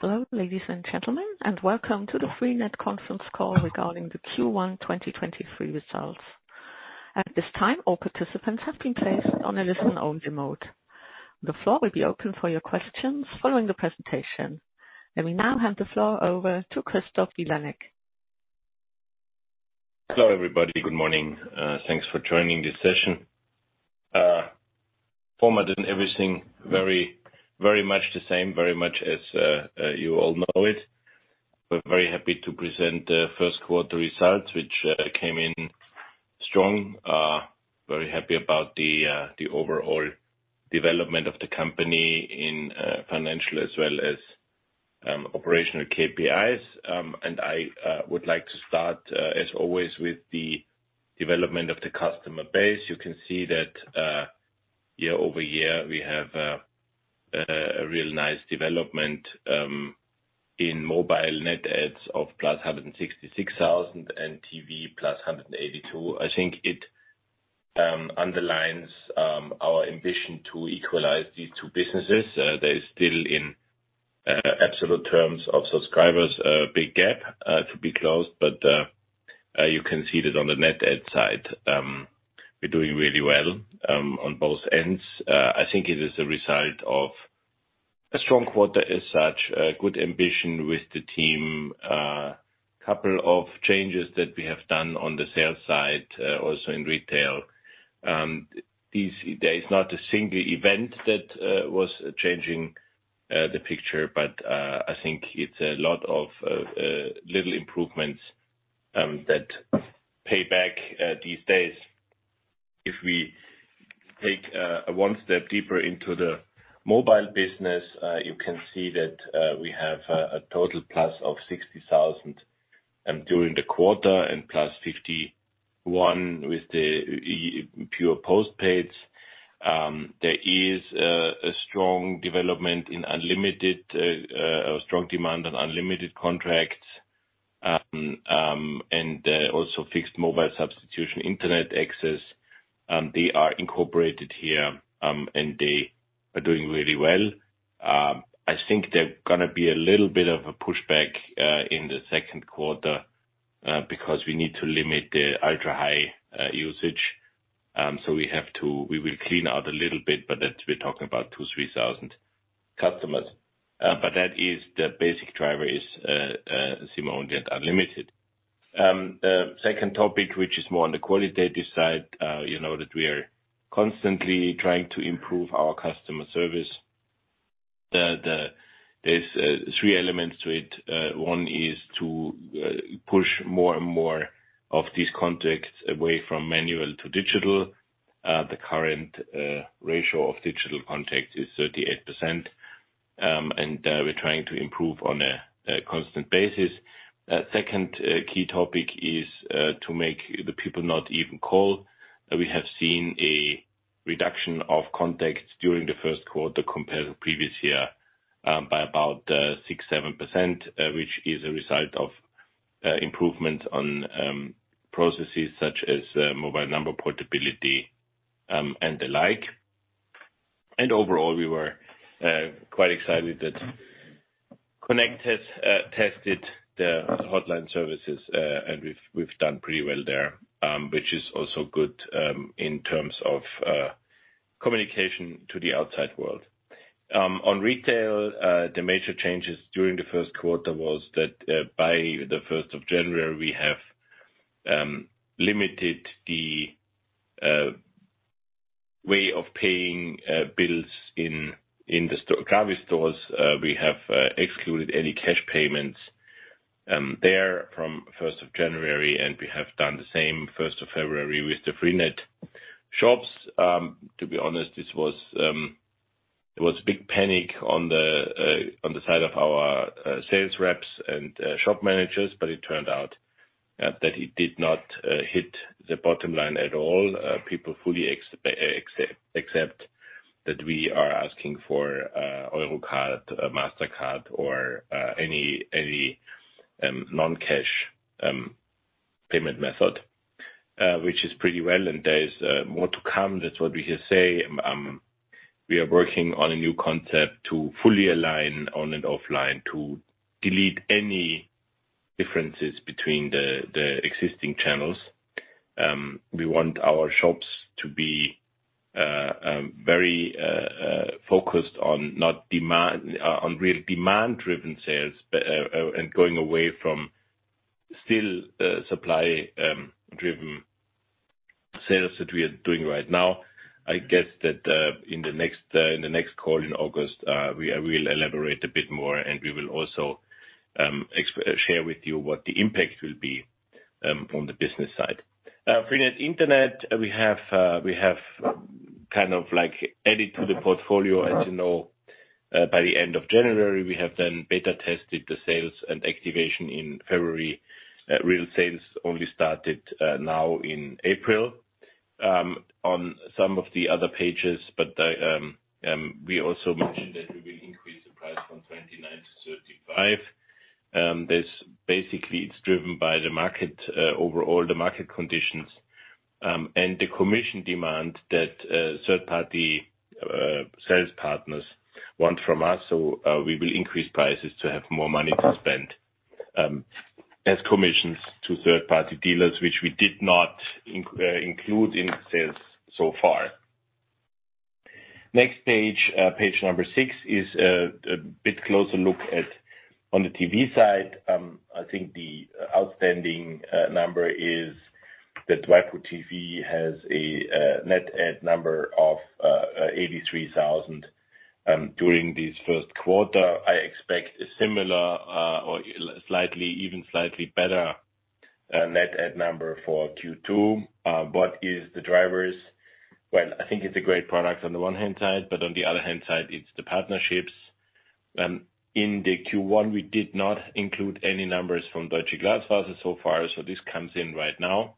Hello, ladies and gentlemen, welcome to the freenet conference call regarding the Q1 2023 results. At this time, all participants have been placed on a listen-only mode. The floor will be open for your questions following the presentation. Let me now hand the floor over to Christoph Vilanek. Hello, everybody. Good morning. Thanks for joining this session. Format and everything very much the same, very much as you all know it. We're very happy to present the first quarter results, which came in strong. Very happy about the overall development of the company in financial as well as operational KPIs. I would like to start, as always, with the development of the customer base. You can see that year-over-year, we have a real nice development in mobile net adds of +166,000 and TV +182. I think it underlines our ambition to equalize these two businesses. There is still in absolute terms of subscribers a big gap to be closed. You can see that on the net add side, we're doing really well on both ends. I think it is a result of a strong quarter as such, a good ambition with the team. Couple of changes that we have done on the sales side, also in retail. There is not a single event that was changing the picture. I think it's a lot of little improvements that pay back these days. If we take one step deeper into the mobile business, you can see that we have a total plus of 60,000 during the quarter and +51 with the PYÜR postpaids. There is a strong development in unlimited, a strong demand on unlimited contracts, and also fixed mobile substitution Internet access. They are incorporated here, and they are doing really well. I think there's gonna be a little bit of a pushback in the second quarter, because we need to limit the ultra-high usage. We will clean out a little bit, but that we're talking about 2,000-3,000 customers. That is the basic driver is SIM-only and unlimited. Second topic, which is more on the qualitative side, you know that we are constantly trying to improve our customer service. There's three elements to it. One is to push more and more of these contacts away from manual to digital. The current ratio of digital contacts is 38%, and we're trying to improve on a constant basis. Second, key topic is to make the people not even call. We have seen a reduction of contacts during the first quarter compared to previous year, by about 6%-7%, which is a result of improvement on processes such as mobile number portability, and the like. Overall, we were quite excited that connect has tested the hotline services, and we've done pretty well there, which is also good in terms of communication to the outside world. On retail, the major changes during the 1st quarter was that by the 1st of January, we have limited the way of paying bills in GRAVIS stores. We have excluded any cash payments there from 1st of January. We have done the same 1st of February with the freenet shops. To be honest, this was it was a big panic on the side of our sales reps and shop managers. It turned out that it did not hit the bottom line at all. People fully accept that we are asking for ORO card, Mastercard, or any non-cash payment method, which is pretty well. There is more to come. That's what we just say. We are working on a new concept to fully align on and offline to delete any differences between the existing channels. We want our shops to be very focused on real demand-driven sales and going away from still supply driven sales that we are doing right now. I guess that in the next call in August, we will elaborate a bit more, and we will also share with you what the impact will be on the business side. freenet Internet, we have kind of like added to the portfolio, as you know, by the end of January. We have then beta tested the sales and activation in February. Real sales only started now in April. On some of the other pages, but I, we also mentioned that we will increase the price from 29 to 35. This basically it's driven by the market, overall the market conditions, and the commission demand that third-party sales partners want from us. We will increase prices to have more money to spend as commissions to third-party dealers, which we did not include in sales so far. Next page number six is a bit closer look at on the TV side. I think the outstanding number is that waipu.tv has a net add number of 83,000 during this first quarter. I expect a similar, or slightly, even slightly better, net add number for Q2. What is the drivers? I think it's a great product on the one hand side, but on the other hand side, it's the partnerships. In the Q1, we did not include any numbers from Deutsche Glasfaser so far, this comes in right now.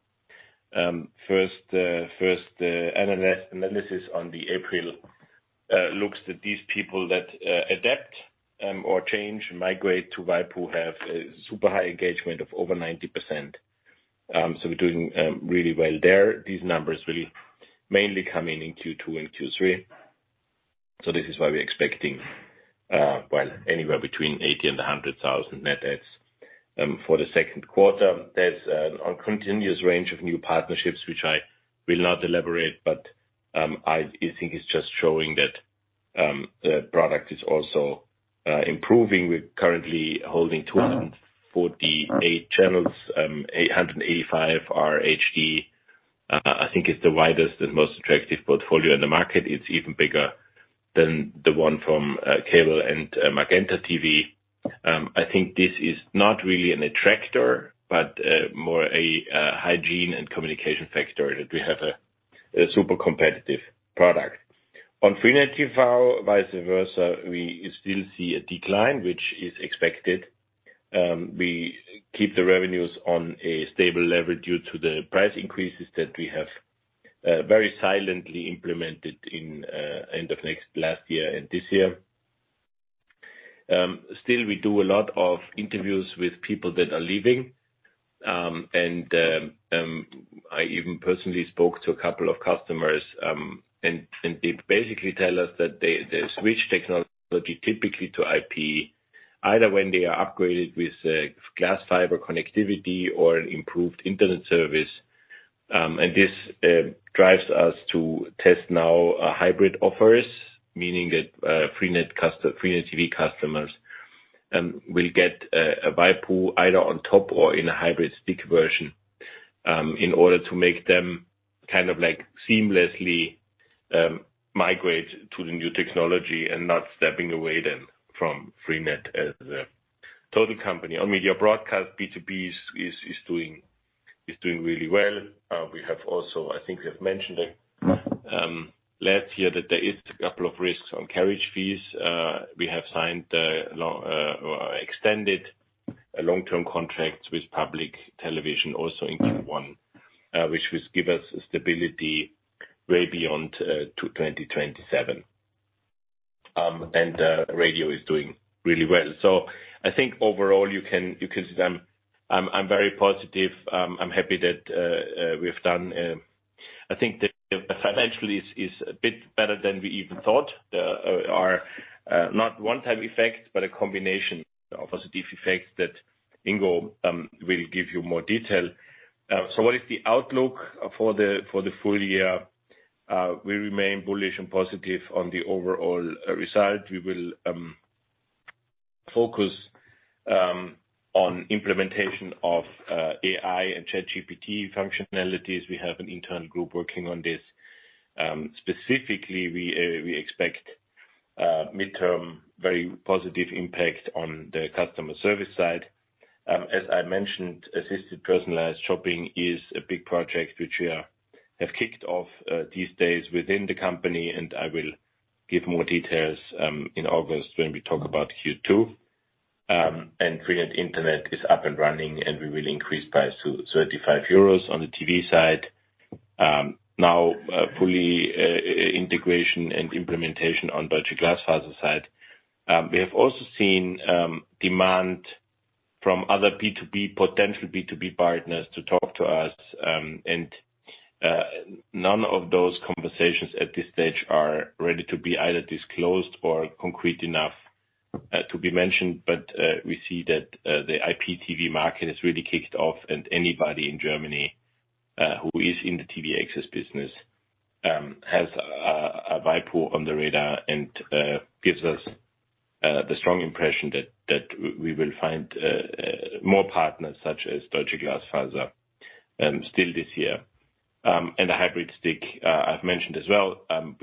First analysis on the April looks that these people that adapt or change, migrate to Waipu, have a super high engagement of over 90%. We're doing really well there. These numbers will mainly come in in Q2 and Q3. This is why we're expecting anywhere between 80,000 and 100,000 net adds. For the second quarter, there's a continuous range of new partnerships which I will not elaborate, but I think it's just showing that the product is also improving. We're currently holding 248 channels, 185 are HD. I think it's the widest and most attractive portfolio in the market. It's even bigger than the one from Cable and MagentaTV. I think this is not really an attractor, but more a hygiene and communication factor that we have a super competitive product. On freenet TV, vice versa, we still see a decline, which is expected. We keep the revenues on a stable level due to the price increases that we have very silently implemented in end of last year and this year. Still, we do a lot of interviews with people that are leaving, and I even personally spoke to a couple of customers, and they basically tell us that they switch technology typically to IP, either when they are upgraded with glass fiber connectivity or an improved internet service. This drives us to test now hybrid offers, meaning that freenet TV customers will get a waipu either on top or in a hybrid stick version, in order to make them kind of like seamlessly migrate to the new technology and not stepping away then from freenet as a total company. On Media Broadcast, B2B is doing really well. We have also... I think we have mentioned it last year that there is a couple of risks on carriage fees. We have signed or extended long-term contracts with public television also in Q1, which will give us stability way beyond 2027. Radio is doing really well. I think overall you can see I'm very positive. I'm happy that we have done. I think the financially is a bit better than we even thought. Our not one-time effect, but a combination of a deep effect that Ingo will give you more detail. What is the outlook for the full year? We remain bullish and positive on the overall result. We will focus on implementation of AI and ChatGPT functionalities. We have an internal group working on this. Specifically, we expect midterm, very positive impact on the customer service side. As I mentioned, assisted personalized shopping is a big project which we have kicked off these days within the company, and I will give more details in August when we talk about Q2. freenet Internet is up and running, and we will increase price to 35 euros on the TV side. Now, fully integration and implementation on Deutsche Glasfaser side. We have also seen demand from other B2B, potential B2B partners to talk to us, none of those conversations at this stage are ready to be either disclosed or concrete enough to be mentioned. We see that the IPTV market has really kicked off and anybody in Germany who is in the TV access business has a waipu on the radar and gives us the strong impression that we will find more partners such as Deutsche Glasfaser still this year. The hybrid stick I've mentioned as well.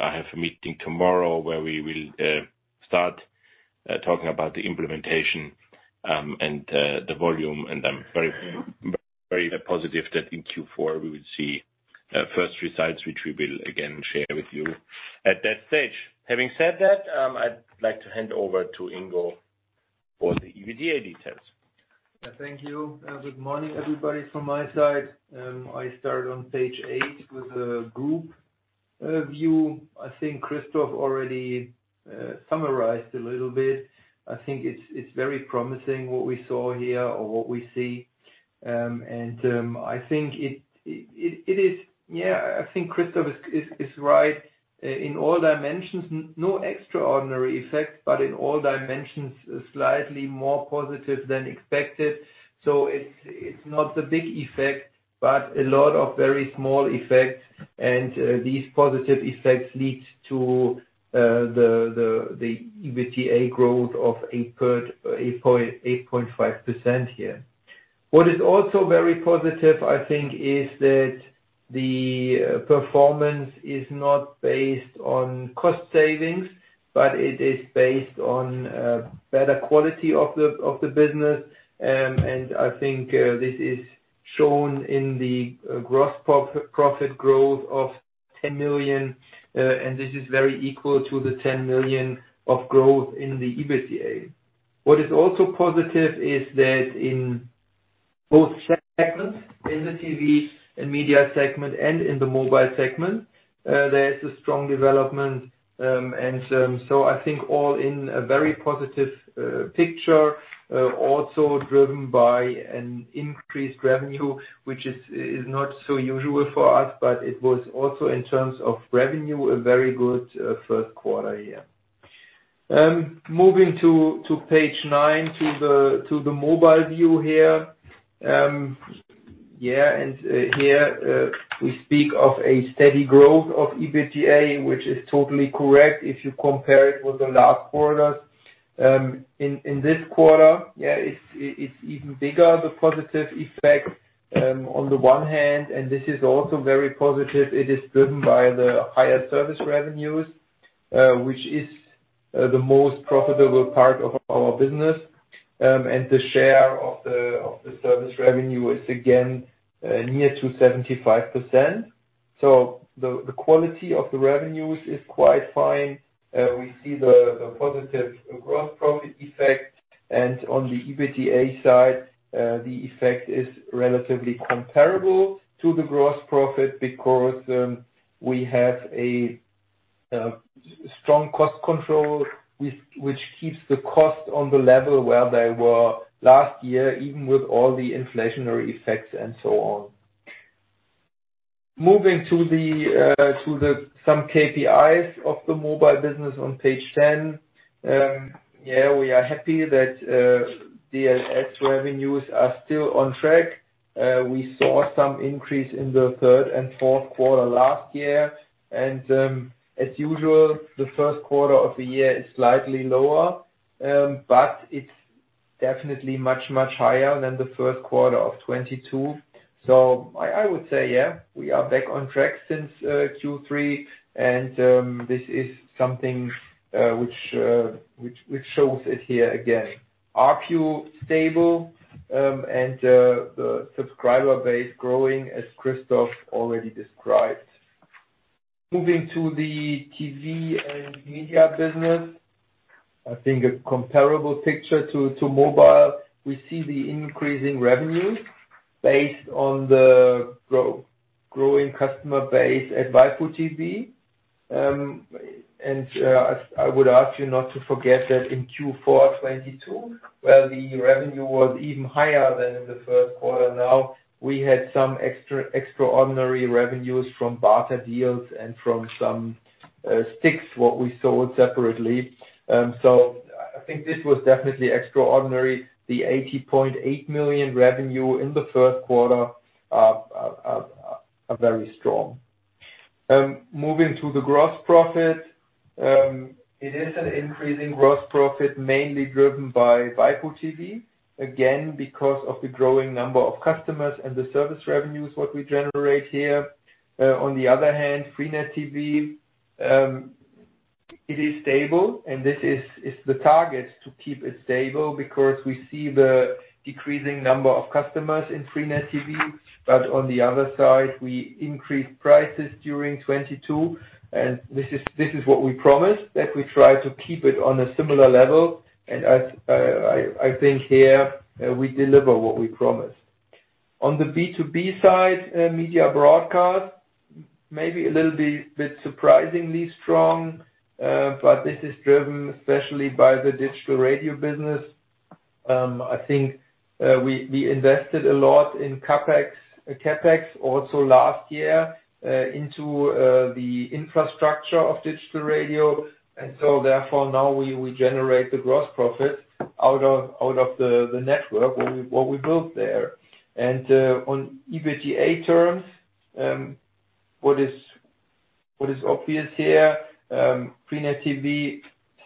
I have a meeting tomorrow where we will start talking about the implementation and the volume, and I'm very, very positive that in Q4 we will see first results, which we will again share with you at that stage. Having said that, I'd like to hand over to Ingo for the EBITDA details. Thank you. Good morning, everybody from my side. I start on page 8 with the group view. I think Christoph already summarized a little bit. I think it's very promising what we saw here or what we see. Yeah, I think Christoph is right. In all dimensions, no extraordinary effects, but in all dimensions, slightly more positive than expected. It's not a big effect, but a lot of very small effects. These positive effects lead to the EBITDA growth of 8.5% here. What is also very positive, I think, is that the performance is not based on cost savings, but it is based on better quality of the business. I think this is shown in the profit growth of 10 million, and this is very equal to the 10 million of growth in the EBITDA. What is also positive is that in both segments, in the TV and media segment and in the mobile segment, there is a strong development. I think all in a very positive picture, also driven by an increased revenue, which is not so usual for us, but it was also in terms of revenue, a very good first quarter. Moving to page 9, to the mobile view here. Here we speak of a steady growth of EBITDA, which is totally correct if you compare it with the last quarters. In this quarter, it's even bigger, the positive effect, on the one hand. This is also very positive. It is driven by the higher service revenues, which is the most profitable part of our business. The share of the service revenue is again near to 75%. The quality of the revenues is quite fine. We see the positive gross profit effect. On the EBITDA side, the effect is relatively comparable to the gross profit because we have a strong cost control which keeps the cost on the level where they were last year, even with all the inflationary effects and so on. Moving to some KPIs of the mobile business on page 10. Yeah, we are happy that DLS revenues are still on track. We saw some increase in the third and fourth quarter last year. As usual, the first quarter of the year is slightly lower, but it's definitely much, much higher than the first quarter of 2022. I would say, yeah, we are back on track since Q3 and this is something which shows it here again. ARPU stable, and the subscriber base growing, as Christoph already described. Moving to the TV and media business, I think a comparable picture to mobile. We see the increasing revenue based on the growing customer base at waipu.tv. I would ask you not to forget that in Q4 2022, where the revenue was even higher than in the first quarter now, we had some extraordinary revenues from barter deals and from some sticks, what we sold separately. I think this was definitely extraordinary. The 80.8 million revenue in the first quarter are very strong. Moving to the gross profit, it is an increasing gross profit, mainly driven by waipu.tv, again, because of the growing number of customers and the service revenues what we generate here. On the other hand, freenet TV, it is stable, and this is the target to keep it stable because we see the decreasing number of customers in freenet TV. On the other side, we increased prices during 2022, this is what we promised, that we try to keep it on a similar level. I think here, we deliver what we promised. On the B2B side, Media Broadcast, maybe a little bit surprisingly strong, but this is driven especially by the digital radio business. I think, we invested a lot in CapEx also last year, into the infrastructure of digital radio. Therefore now we generate the gross profit out of the network, what we built there. On EBITDA terms, freenet TV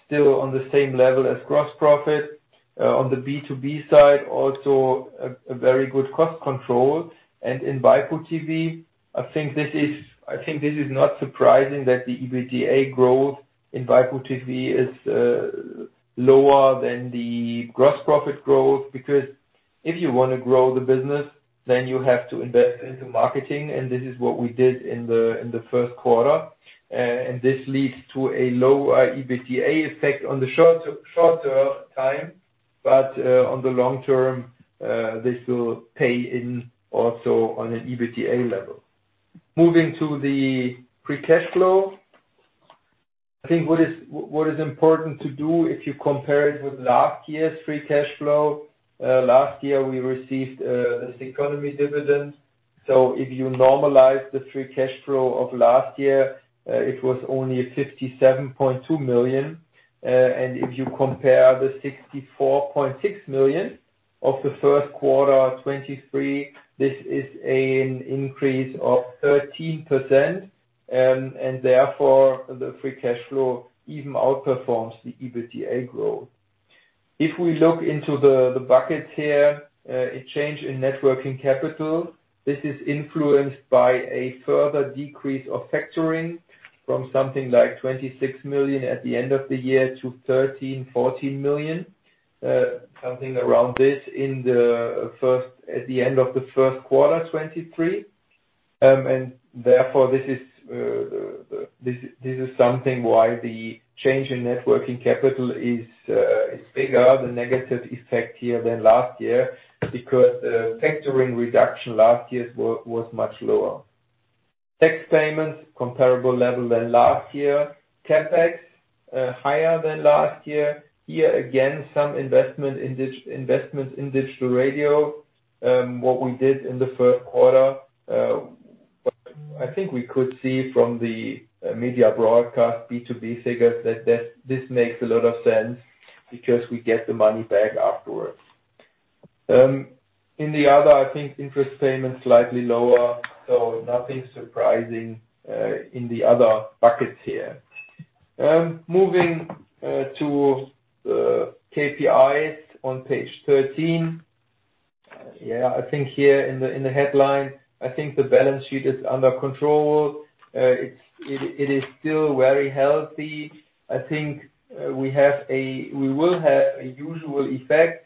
still on the same level as gross profit. On the B2B side, also a very good cost control. In waipu.tv, I think this is not surprising that the EBITDA growth in waipu.tv is lower than the gross profit growth because if you wanna grow the business, then you have to invest into marketing, and this is what we did in the first quarter. This leads to a lower EBITDA effect on the short term time, but on the long term, this will pay in also on an EBITDA level. Moving to the free cash flow. I think what is important to do if you compare it with last year's free cash flow, last year we received an extraordinary dividend. If you normalize the free cash flow of last year, it was only 57.2 million. even outperforms the EBITDA growth. If we look into the buckets here, a change in networking capital, this is influenced by a further decrease of factoring from something like 26 million at the end of the year to 13 million-14 million, something around this at the end of the first quarter 2023. Therefore, this is something why the change in networking capital is bigger, the negative effect here than last year because factoring reduction last year was much lower. Tax payments, comparable level than last year. CapEx higher than last year Here again, some investment in digital radio, what we did in the first quarter. I think we could see from the Media Broadcast B2B figures that this makes a lot of sense because we get the money back afterwards. In the other, I think interest payments slightly lower, nothing surprising in the other buckets here. Moving to the KPIs on page 13. Yeah, I think here in the, in the headline, I think the balance sheet is under control. It is still very healthy. I think we will have a usual effect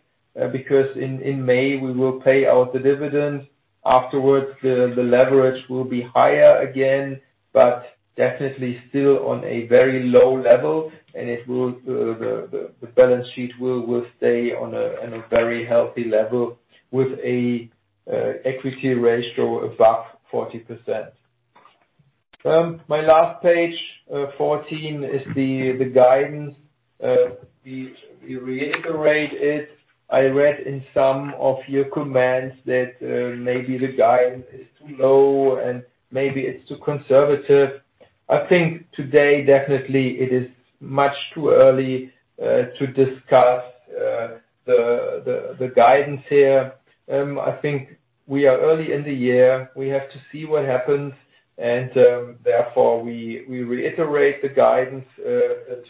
because in May we will pay out the dividends. Afterwards, the leverage will be higher again, but definitely still on a very low level, and it will, the balance sheet will stay on a very healthy level with a equity ratio above 40%. My last page, 14, is the guidance. We reiterate it. I read in some of your comments that maybe the guidance is too low and maybe it's too conservative. I think today, definitely it is much too early to discuss the guidance here. I think we are early in the year. We have to see what happens and therefore we reiterate the guidance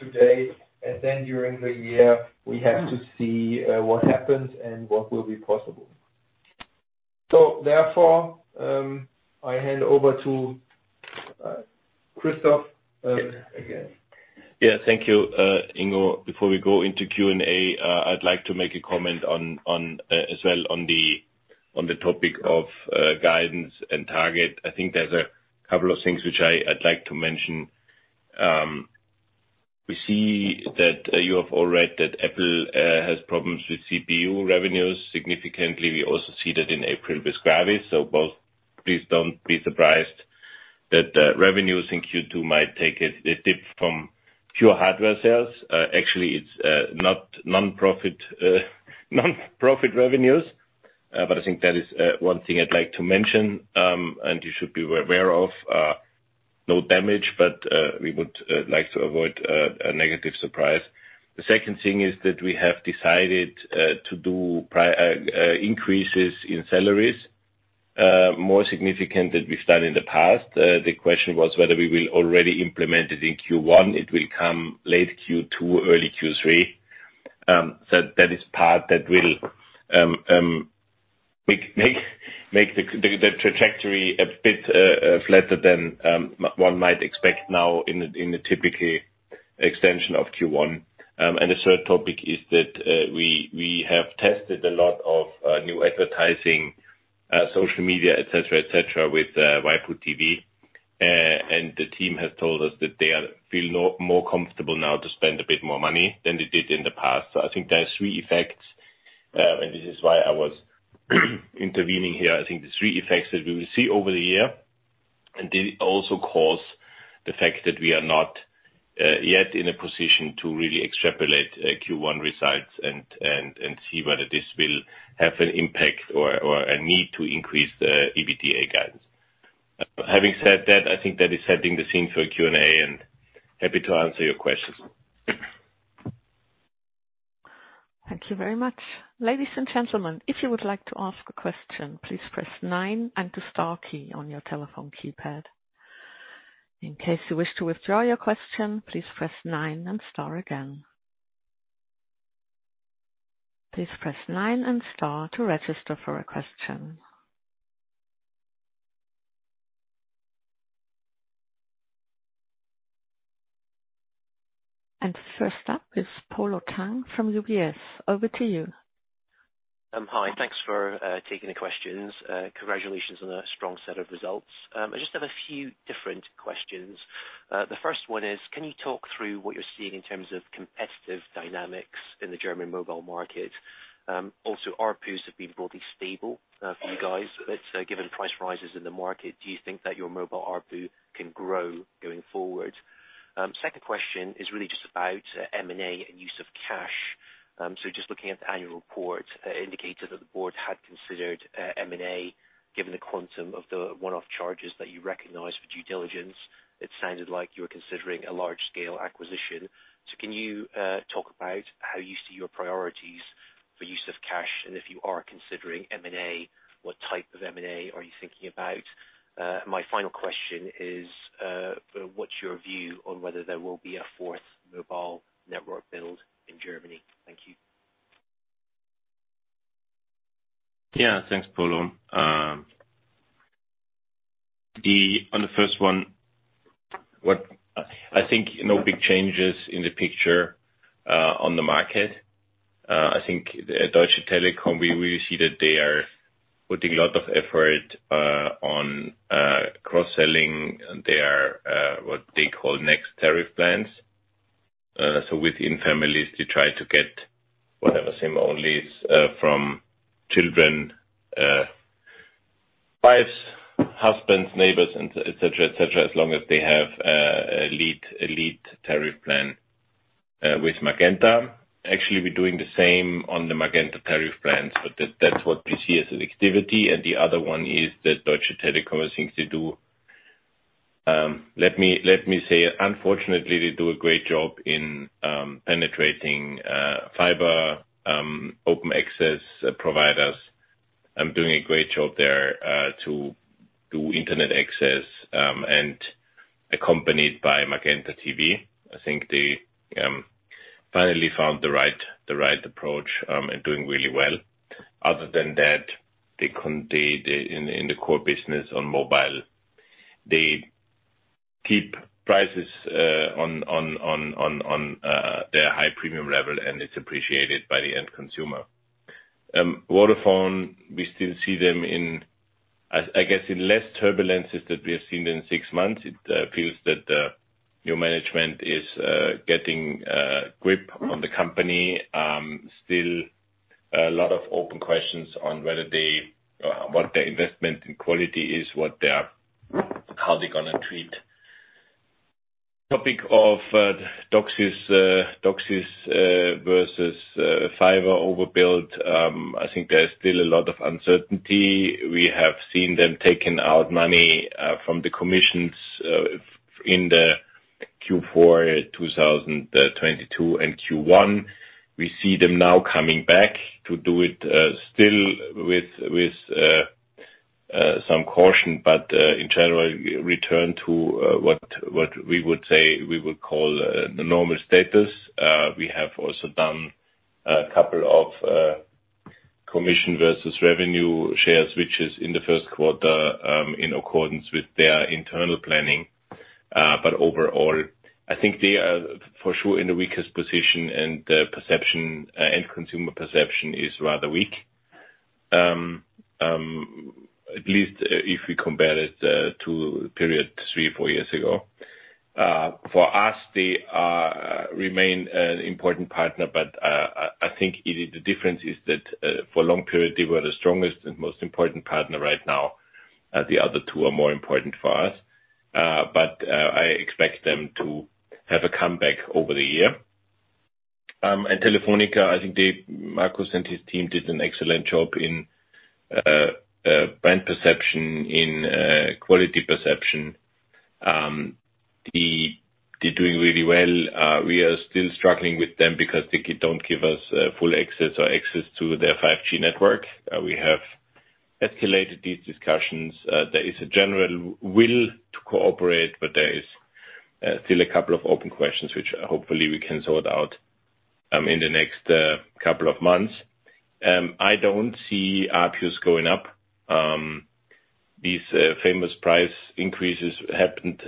today, and then during the year, we have to see what happens and what will be possible. Therefore, I hand over to Christoph again. Yeah, thank you, Ingo. Before we go into Q&A, I'd like to make a comment on as well on the topic of guidance and target. I think there's a couple of things which I'd like to mention. We see that you have all read that Apple has problems with CPE revenues. Significantly, we also see that in April with GRAVIS. Both, please don't be surprised that revenues in Q2 might take a dip from pure hardware sales. Actually, it's not nonprofit revenues, but I think that is one thing I'd like to mention and you should be aware of. No damage, but we would like to avoid a negative surprise. The second thing is that we have decided to do increases in salaries more significant than we've done in the past. The question was whether we will already implement it in Q1. It will come late Q2, early Q3. That is part that will make the trajectory a bit flatter than one might expect now in the typical extension of Q1. The third topic is that we have tested a lot of new advertising, social media, et cetera, et cetera, with waipu.tv. The team has told us that they feel now more comfortable now to spend a bit more money than they did in the past. I think there are three effects. This is why I was intervening here. I think the three effects that we will see over the year, and they also cause the fact that we are not yet in a position to really extrapolate Q1 results and see whether this will have an impact or a need to increase the EBITDA guidance. Having said that, I think that is setting the scene for a Q&A, and happy to answer your questions. Thank you very much. Ladies and gentlemen, if you would like to ask a question, please press nine and the star key on your telephone keypad. In case you wish to withdraw your question, please press nine and star again. Please press nine and star to register for a question. First up is Polo Tang from UBS. Over to you. Hi. Thanks for taking the questions. Congratulations on a strong set of results. I just have a few different questions. The first one is can you talk through what you're seeing in terms of competitive dynamics in the German mobile market? Also ARPUs have been broadly stable for you guys. Given price rises in the market, do you think that your mobile ARPU can grow going forward? Second question is really just about M&A and use of cash. Just looking at the annual report indicated that the board had considered M&A, given the quantum of the one-off charges that you recognize for due diligence. It sounded like you were considering a large-scale acquisition. Can you talk about how you see your priorities for use of cash? If you are considering M&A, what type of M&A are you thinking about? My final question is, what's your view on whether there will be a fourth mobile network build in Germany? Thank you. Yeah. Thanks, Polo. On the first one, I think no big changes in the picture on the market. I think at Deutsche Telekom, we see that they are putting a lot of effort on cross-selling their what they call next tariff plans. Within families, to try to get whatever SIM-onlys from children, wives, husbands, neighbors, and et cetera as long as they have a lead tariff plan with Magenta. Actually, we're doing the same on the Magenta tariff plans, but that's what we see as an activity. The other one is that Deutsche Telekom seems to do, unfortunately, they do a great job in penetrating fiber open access providers and doing a great job there to Internet access and accompanied by MagentaTV. I think they finally found the right approach and doing really well. Other than that, they in the core business on mobile, they keep prices on their high premium level, and it's appreciated by the end consumer. Vodafone, we still see them in I guess in less turbulences than we have seen in six months. It feels that new management is getting grip on the company. Still a lot of open questions on whether they, what their investment in quality is, what they are, how they're gonna treat. Topic of DOCSIS versus fiber overbuild. I think there is still a lot of uncertainty. We have seen them taking out money from the commissions in the Q4 2022 and Q1. We see them now coming back to do it, still with some caution, but in general, return to what we would say, we would call the normal status. We have also done a couple of commission versus revenue share switches in the first quarter, in accordance with their internal planning. Overall, I think they are for sure in the weakest position, and the perception, end consumer perception is rather weak. At least if we compare it to period three or four years ago. For us, they remain an important partner, but I think the difference is that for a long period, they were the strongest and most important partner. Right now, the other two are more important for us. I expect them to have a comeback over the year. Telefónica, I think Markus and his team did an excellent job in brand perception, in quality perception. They're doing really well. We are still struggling with them because they don't give us full access or access to their 5G network. We have escalated these discussions. There is a general will to cooperate, but there is still a couple of open questions, which hopefully we can sort out in the next couple of months. I don't see ARPUs going up. These famous price increases happened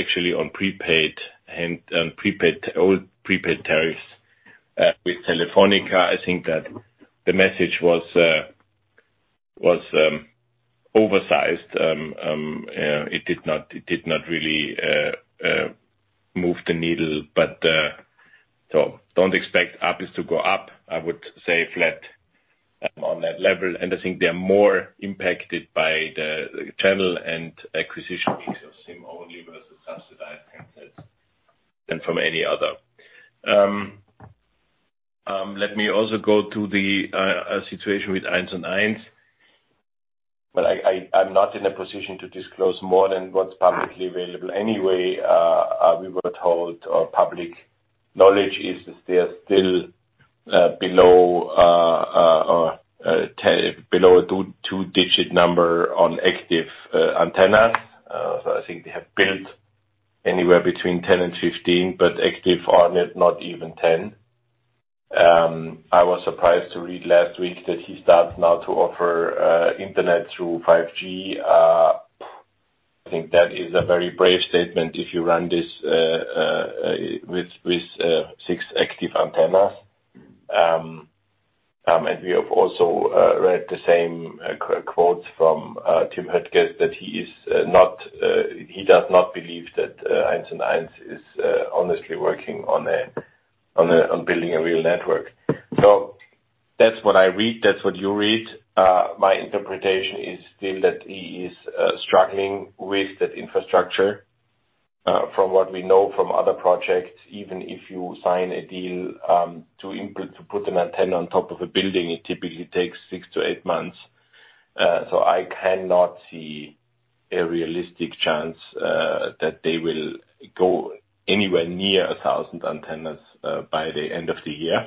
actually on prepaid and prepaid, old prepaid tariffs with Telefónica. I think that the message was oversized. It did not really move the needle, but don't expect ARPUs to go up. I would say flat on that level. I think they're more impacted by the channel and acquisition mix of SIM-only versus subsidized handsets than from any other. Let me also go to the situation with 1&1. I'm not in a position to disclose more than what's publicly available anyway. We were told or public knowledge is that they are still below a two-digit number on active antennas. I think they have built anywhere between 10 and 15, but active are not even 10. I was surprised to read last week that he starts now to offer internet through 5G. I think that is a very brave statement if you run this with six active antennas. We have also read the same quotes from Tim Höttges that he is not, he does not believe that 1&1 is honestly working on building a real network. That's what I read, that's what you read. My interpretation is still that he is struggling with that infrastructure. From what we know from other projects, even if you sign a deal, to put an antenna on top of a building, it typically takes six to eight months. I cannot see a realistic chance, that they will go anywhere near 1,000 antennas, by the end of the year.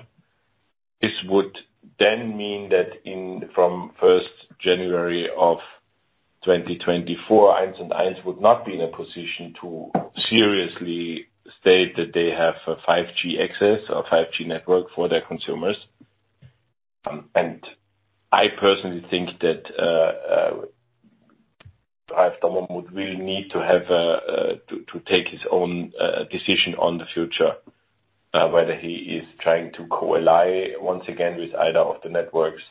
This would then mean that from 1st January of 2024, 1&1 would not be in a position to seriously state that they have a 5G access or 5G network for their consumers. I personally think that Ralf Dommermuth really need to have to take his own decision on the future, whether he is trying to co-ally once again with either of the networks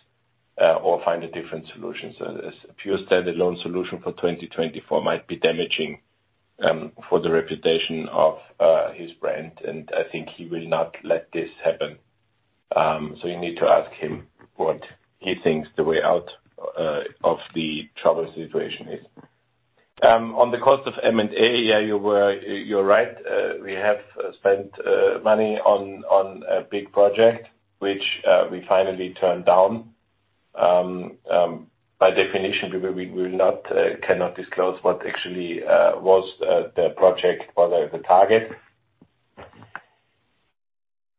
or find a different solution. As a pure standalone solution for 2024 might be damaging for the reputation of his brand, and I think he will not let this happen. You need to ask him what he thinks the way out of the troubled situation is. On the cost of M&A, yeah, you were. You're right. We have spent money on a big project which we finally turned down. By definition, cannot disclose what actually was the project or the target.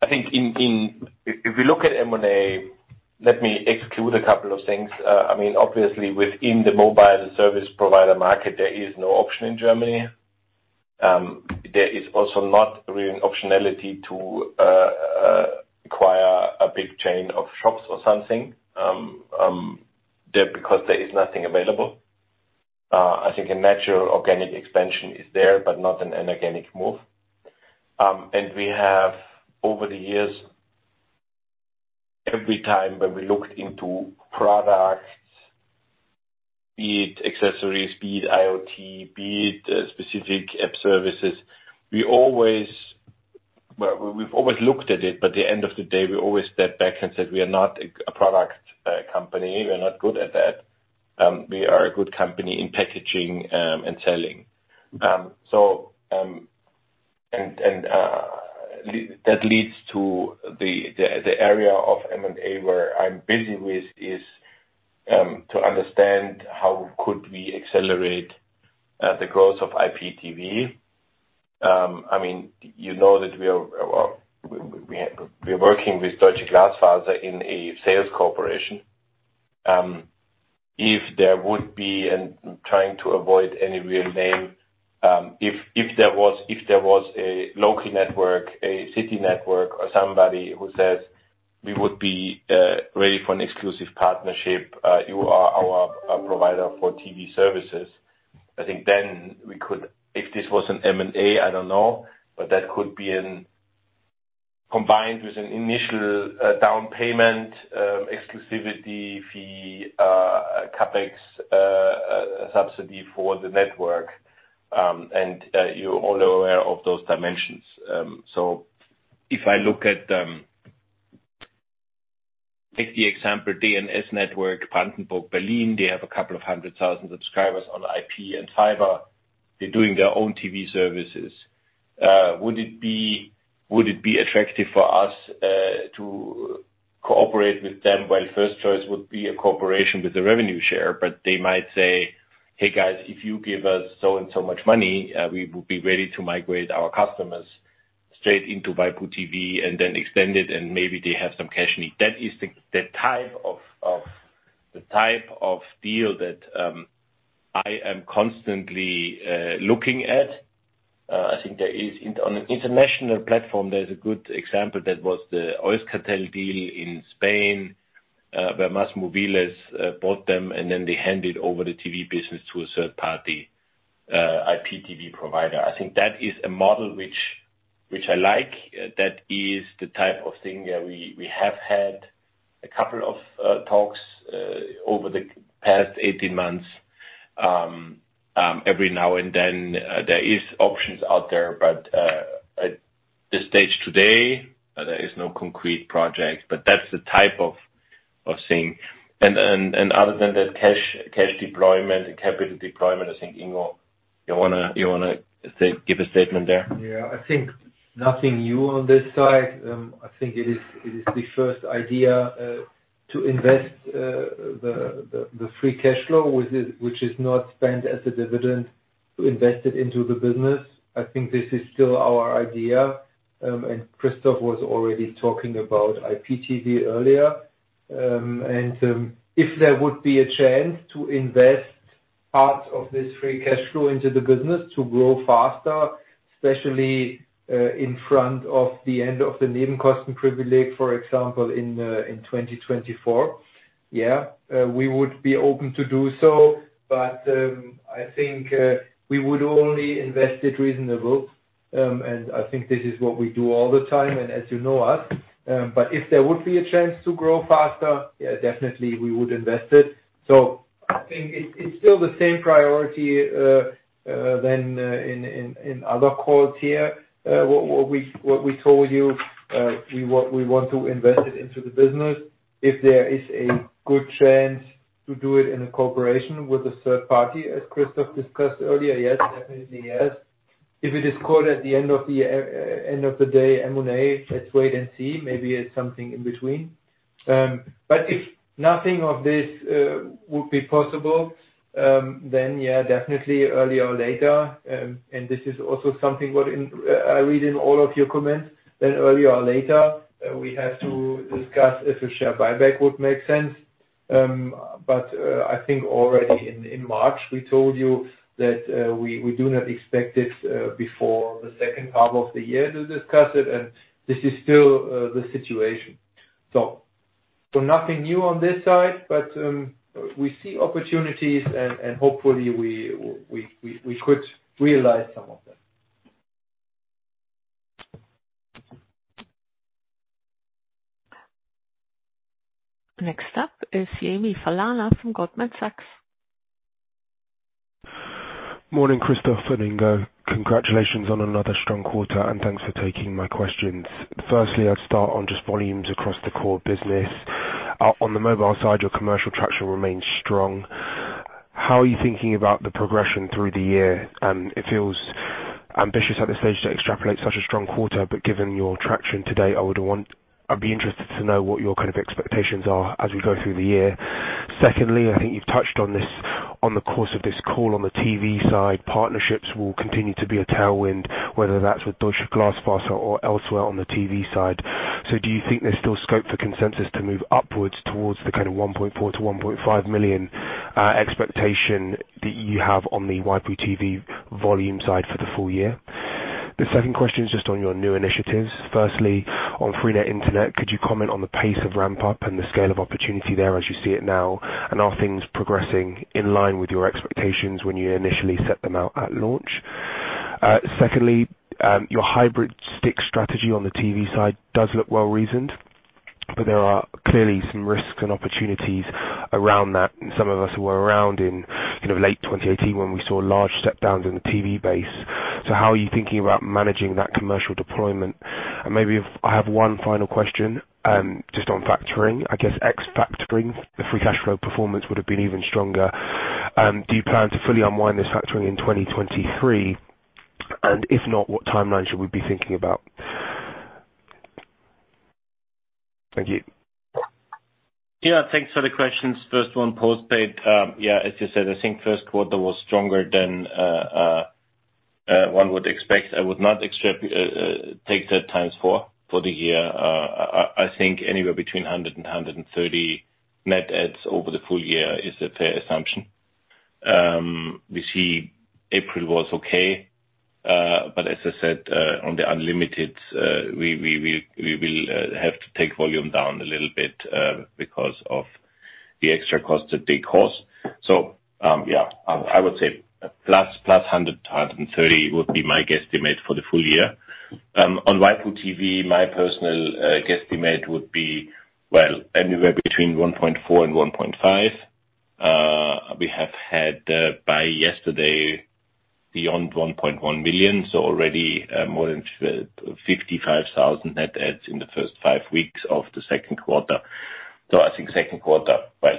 I think in... If we look at M&A, let me exclude a couple of things. I mean, obviously within the mobile and service provider market, there is no option in Germany. There is also not real optionality to acquire a big chain of shops or something there because there is nothing available. I think a natural organic expansion is there, but not an inorganic move. We have over the years, every time when we looked into products, be it accessories, be it IoT, be it specific app services, We've always looked at it, but at the end of the day, we always step back and said, "We are not a product company. We're not good at that. We are a good company in packaging and selling. That leads to the area of M&A where I'm busy with is to understand how could we accelerate the growth of IPTV. I mean, you know that we are working with Deutsche Glasfaser in a sales cooperation. If there would be, and I'm trying to avoid any real name, if there was a local network, a city network, or somebody who says, "We would be ready for an exclusive partnership, you are our provider for TV services," I think then we could... If this was an M&A, I don't know. That could be in combined with an initial down payment, exclusivity fee, a CapEx subsidy for the network. You're all aware of those dimensions. If I look at, take the example DNS:NET Brandenburg Berlin, they have a couple of 100,000 subscribers on IP and fiber. They're doing their own TV services. Would it be attractive for us to cooperate with them? First choice would be a cooperation with the revenue share. They might say, "Hey, guys, if you give us so and so much money, we would be ready to migrate our customers straight into waipu.tv and then extend it, and maybe they have some cash need." That is the type of deal that I am constantly looking at. I think there is. On an international platform, there's a good example. That was the Euskaltel deal in Spain, where MásMóvil bought them, and then they handed over the TV business to a third party IPTV provider. I think that is a model which I like. That is the type of thing, we have had a couple of talks over the past 18 months. Every now and then, there is options out there, at this stage today, there is no concrete project, but that's the type of thing. Other than that, cash deployment and capital deployment, I think, Ingo, you wanna say, give a statement there? Yeah. I think nothing new on this side. I think it is the first idea to invest the free cash flow which is not spent as a dividend to invest it into the business. I think this is still our idea. Christoph was already talking about IPTV earlier. If there would be a chance to invest parts of this free cash flow into the business to grow faster, especially in front of the end of the Nebenkostenprivileg for example, in 2024, we would be open to do so. I think we would only invest it reasonable. I think this is what we do all the time, as you know us, if there would be a chance to grow faster, yeah, definitely we would invest it. I think it's still the same priority than in other calls here. What we told you, we want to invest it into the business. If there is a good chance to do it in a cooperation with a third party, as Christoph discussed earlier, yes, definitely yes. If it is called at the end of the day M&A, let's wait and see, maybe it's something in between. If nothing of this would be possible, definitely earlier or later, and this is also something what I read in all of your comments, earlier or later, we have to discuss if a share buyback would make sense. I think already in March, we told you that we do not expect it before the second half of the year to discuss it, and this is still the situation. Nothing new on this side, we see opportunities and hopefully we could realize some of them. Next up is Yemi Falana from Goldman Sachs. Morning, Christoph and Ingo. Congratulations on another strong quarter. Thanks for taking my questions. Firstly, I'll start on just volumes across the core business. On the mobile side, your commercial traction remains strong. How are you thinking about the progression through the year? It feels ambitious at this stage to extrapolate such a strong quarter. Given your traction today, I'd be interested to know what your kind of expectations are as we go through the year. Secondly, I think you've touched on this on the course of this call. On the TV side, partnerships will continue to be a tailwind, whether that's with Deutsche Glasfaser or elsewhere on the TV side. Do you think there's still scope for consensus to move upwards towards the kind of 1.4 million-1.5 million expectation that you have on the waipu.tv volume side for the full year? The second question is just on your new initiatives. Firstly, on freenet Internet, could you comment on the pace of ramp-up and the scale of opportunity there as you see it now? Are things progressing in line with your expectations when you initially set them out at launch? Secondly, your hybrid stick strategy on the TV side does look well reasoned, but there are clearly some risks and opportunities around that. Some of us were around in late 2018 when we saw large step downs in the TV base. How are you thinking about managing that commercial deployment? Maybe if I have one final question, just on factoring. I guess ex-factoring, the free cash flow performance would have been even stronger. Do you plan to fully unwind this factoring in 2023? If not, what timeline should we be thinking about? Thank you. Thanks for the questions. First one, postpaid. As you said, I think first quarter was stronger than one would expect. I would not take that times four for the year. I think anywhere between 100 and 130 net adds over the full year is a fair assumption. We see April was okay. As I said, on the unlimited, we will have to take volume down a little bit because of the extra cost that they cause. I would say +100 to 130 would be my guesstimate for the full year. On waipu.tv, my personal guesstimate would be, well, anywhere between 1.4 and 1.5. We have had, by yesterday, beyond 1.1 million, so already, more than 55,000 net adds in the first five weeks of the second quarter. I think second quarter, well,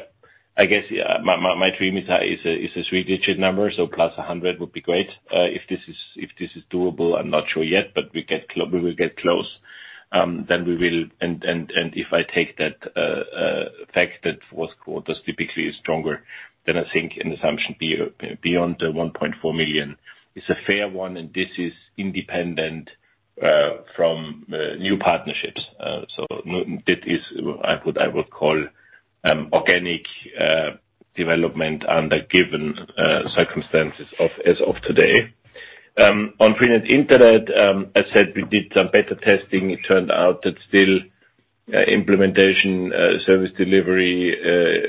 I guess, yeah, my dream is a three-digit number, so +100 would be great. If this is doable, I'm not sure yet, but we will get close. Then we will. If I take that fact that fourth quarter is typically stronger, then I think an assumption beyond the 1.4 million is a fair one, and this is independent from new partnerships. That is what I would call organic development under given circumstances of as of today. On freenet Internet, I said we did some beta testing. It turned out that still, implementation, service delivery,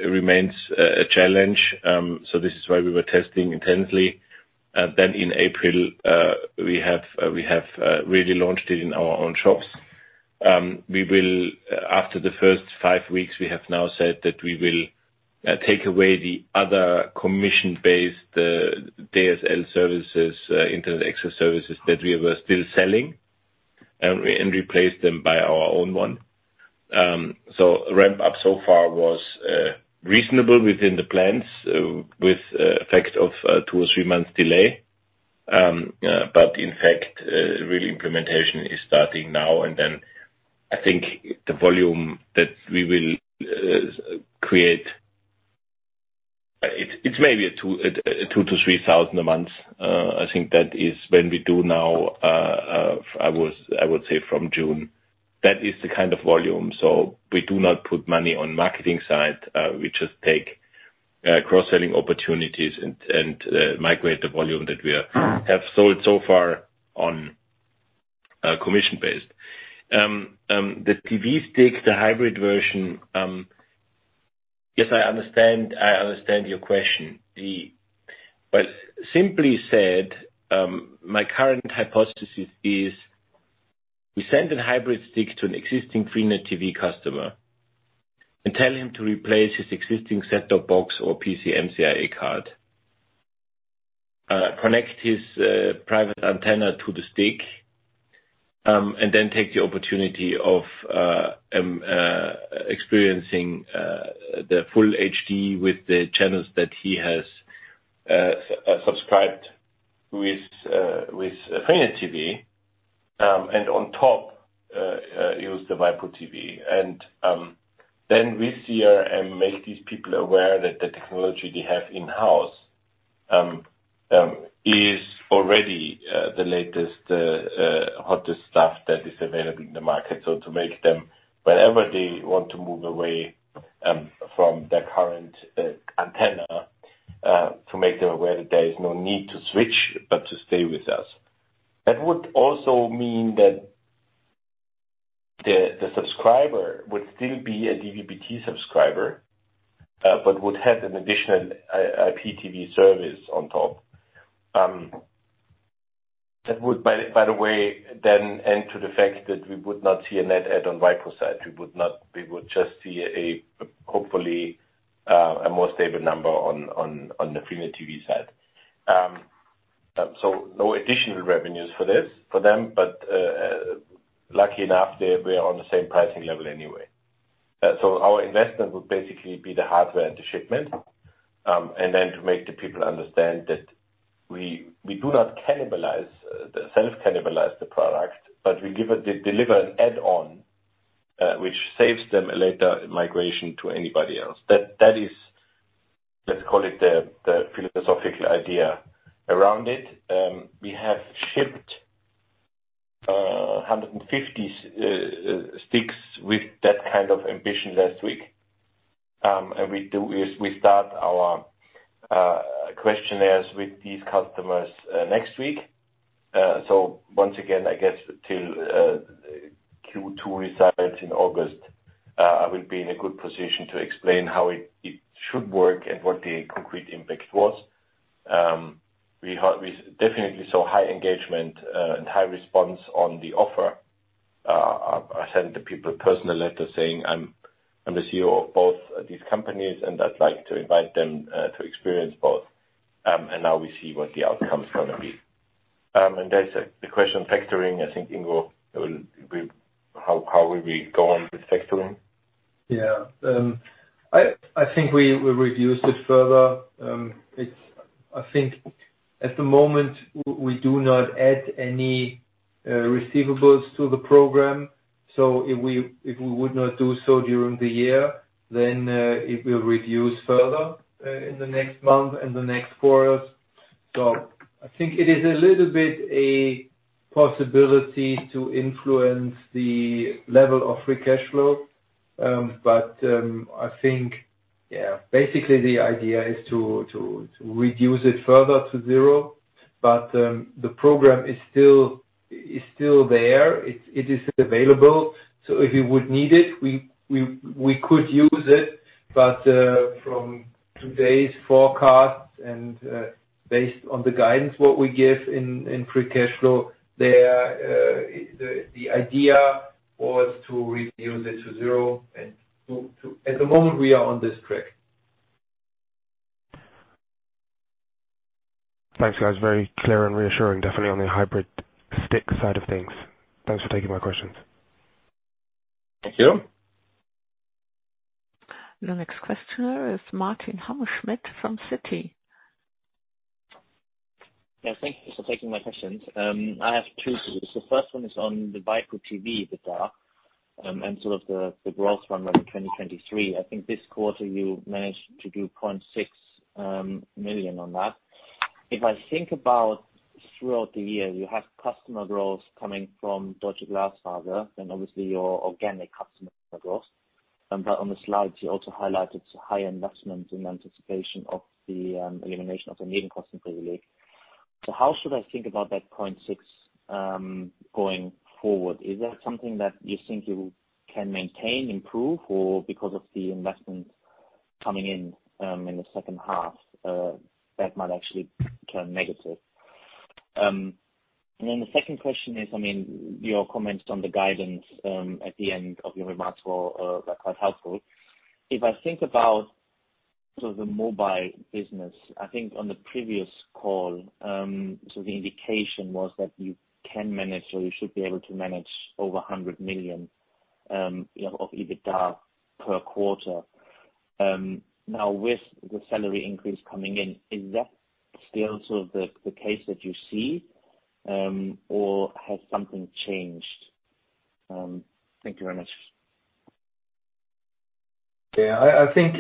remains a challenge. This is why we were testing intensely. In April, we have really launched it in our own shops. After the first 5 weeks, we have now said that we will take away the other commission-based DSL services, internet access services that we were still selling and replace them by our own one. Ramp-up so far was reasonable within the plans, with effect of 2 or 3 months delay. In fact, really implementation is starting now. I think the volume that we will create, it's maybe 2,000-3,000 a month. I think that is when we do now say from June. That is the kind of volume. We do not put money on marketing side. We just take cross-selling opportunities and migrate the volume that we have sold so far on commission-based. The TV stick, the hybrid version. Yes, I understand your question. Simply said, my current hypothesis is we send a hybrid stick to an existing freenet TV customer and tell him to replace his existing set-top box or PCMCIA card, connect his private antenna to the stick, and then take the opportunity of experiencing the full HD with the channels that he has subscribed with freenet TV, and on top, use the waipu.tv. With CRM, make these people aware that the technology they have in-house is already the latest hottest stuff that is available in the market. To make them, whenever they want to move away from their current antenna, to make them aware that there is no need to switch, but to stay with us. That would also mean that the subscriber would still be a DVB-T subscriber, but would have an additional IPTV service on top. That would by the way end to the fact that we would not see a net add on Waipu side. We would just see a, hopefully, a more stable number on the freenet TV side. No additional revenues for them, but lucky enough, they're on the same pricing level anyway. Our investment would basically be the hardware and the shipment to make the people understand that we do not cannibalize self-cannibalize the product, but they deliver an add-on which saves them a later migration to anybody else. That is, let's call it the philosophical idea around it. We have shipped 150 sticks with that kind of ambition last week. We do is we start our questionnaires with these customers next week. Once again, I guess till Q2 results in August, I will be in a good position to explain how it should work and what the concrete impact was. We definitely saw high engagement and high response on the offer. I sent the people a personal letter saying, I'm the CEO of both these companies, and I'd like to invite them to experience both. Now we see what the outcome's gonna be. There's the question of factoring, I think Ingo will. How will we go on with factoring? Yeah. I think we reduced it further. I think at the moment, we do not add any receivables to the program, if we would not do so during the year, it will reduce further in the next month and the next quarters. I think it is a little bit a possibility to influence the level of free cash flow. I think, yeah, basically the idea is to reduce it further to zero. The program is still there. It is available, so if you would need it, we could use it. From today's forecasts and based on the guidance what we give in free cash flow, the idea was to reduce it to zero and to. At the moment we are on this track. Thanks, guys. Very clear and reassuring, definitely on the hybrid stick side of things. Thanks for taking my questions. Thank you. The next questioner is Martin Hammerschmidt from Citi. Yeah, thank you for taking my questions. I have two. The first one is on the waipu.tv, the DA, and sort of the growth run rate in 2023. I think this quarter you managed to do 0.6 million on that. If I think about throughout the year, you have customer growth coming from Deutsche Glasfaser and obviously your organic customer growth. On the slides, you also highlighted high investment in anticipation of the elimination of the Nebenkostenprivileg. How should I think about that 0.6 going forward? Is that something that you think you can maintain, improve, or because of the investment coming in the second half, that might actually turn negative? The second question is, I mean, your comments on the guidance at the end of your remarks were quite helpful. If I think about sort of the mobile business, I think on the previous call, the indication was that you can manage or you should be able to manage over 100 million of EBITDA per quarter. Now with the salary increase coming in, is that still sort of the case that you see, or has something changed? Thank you very much. Yeah. I think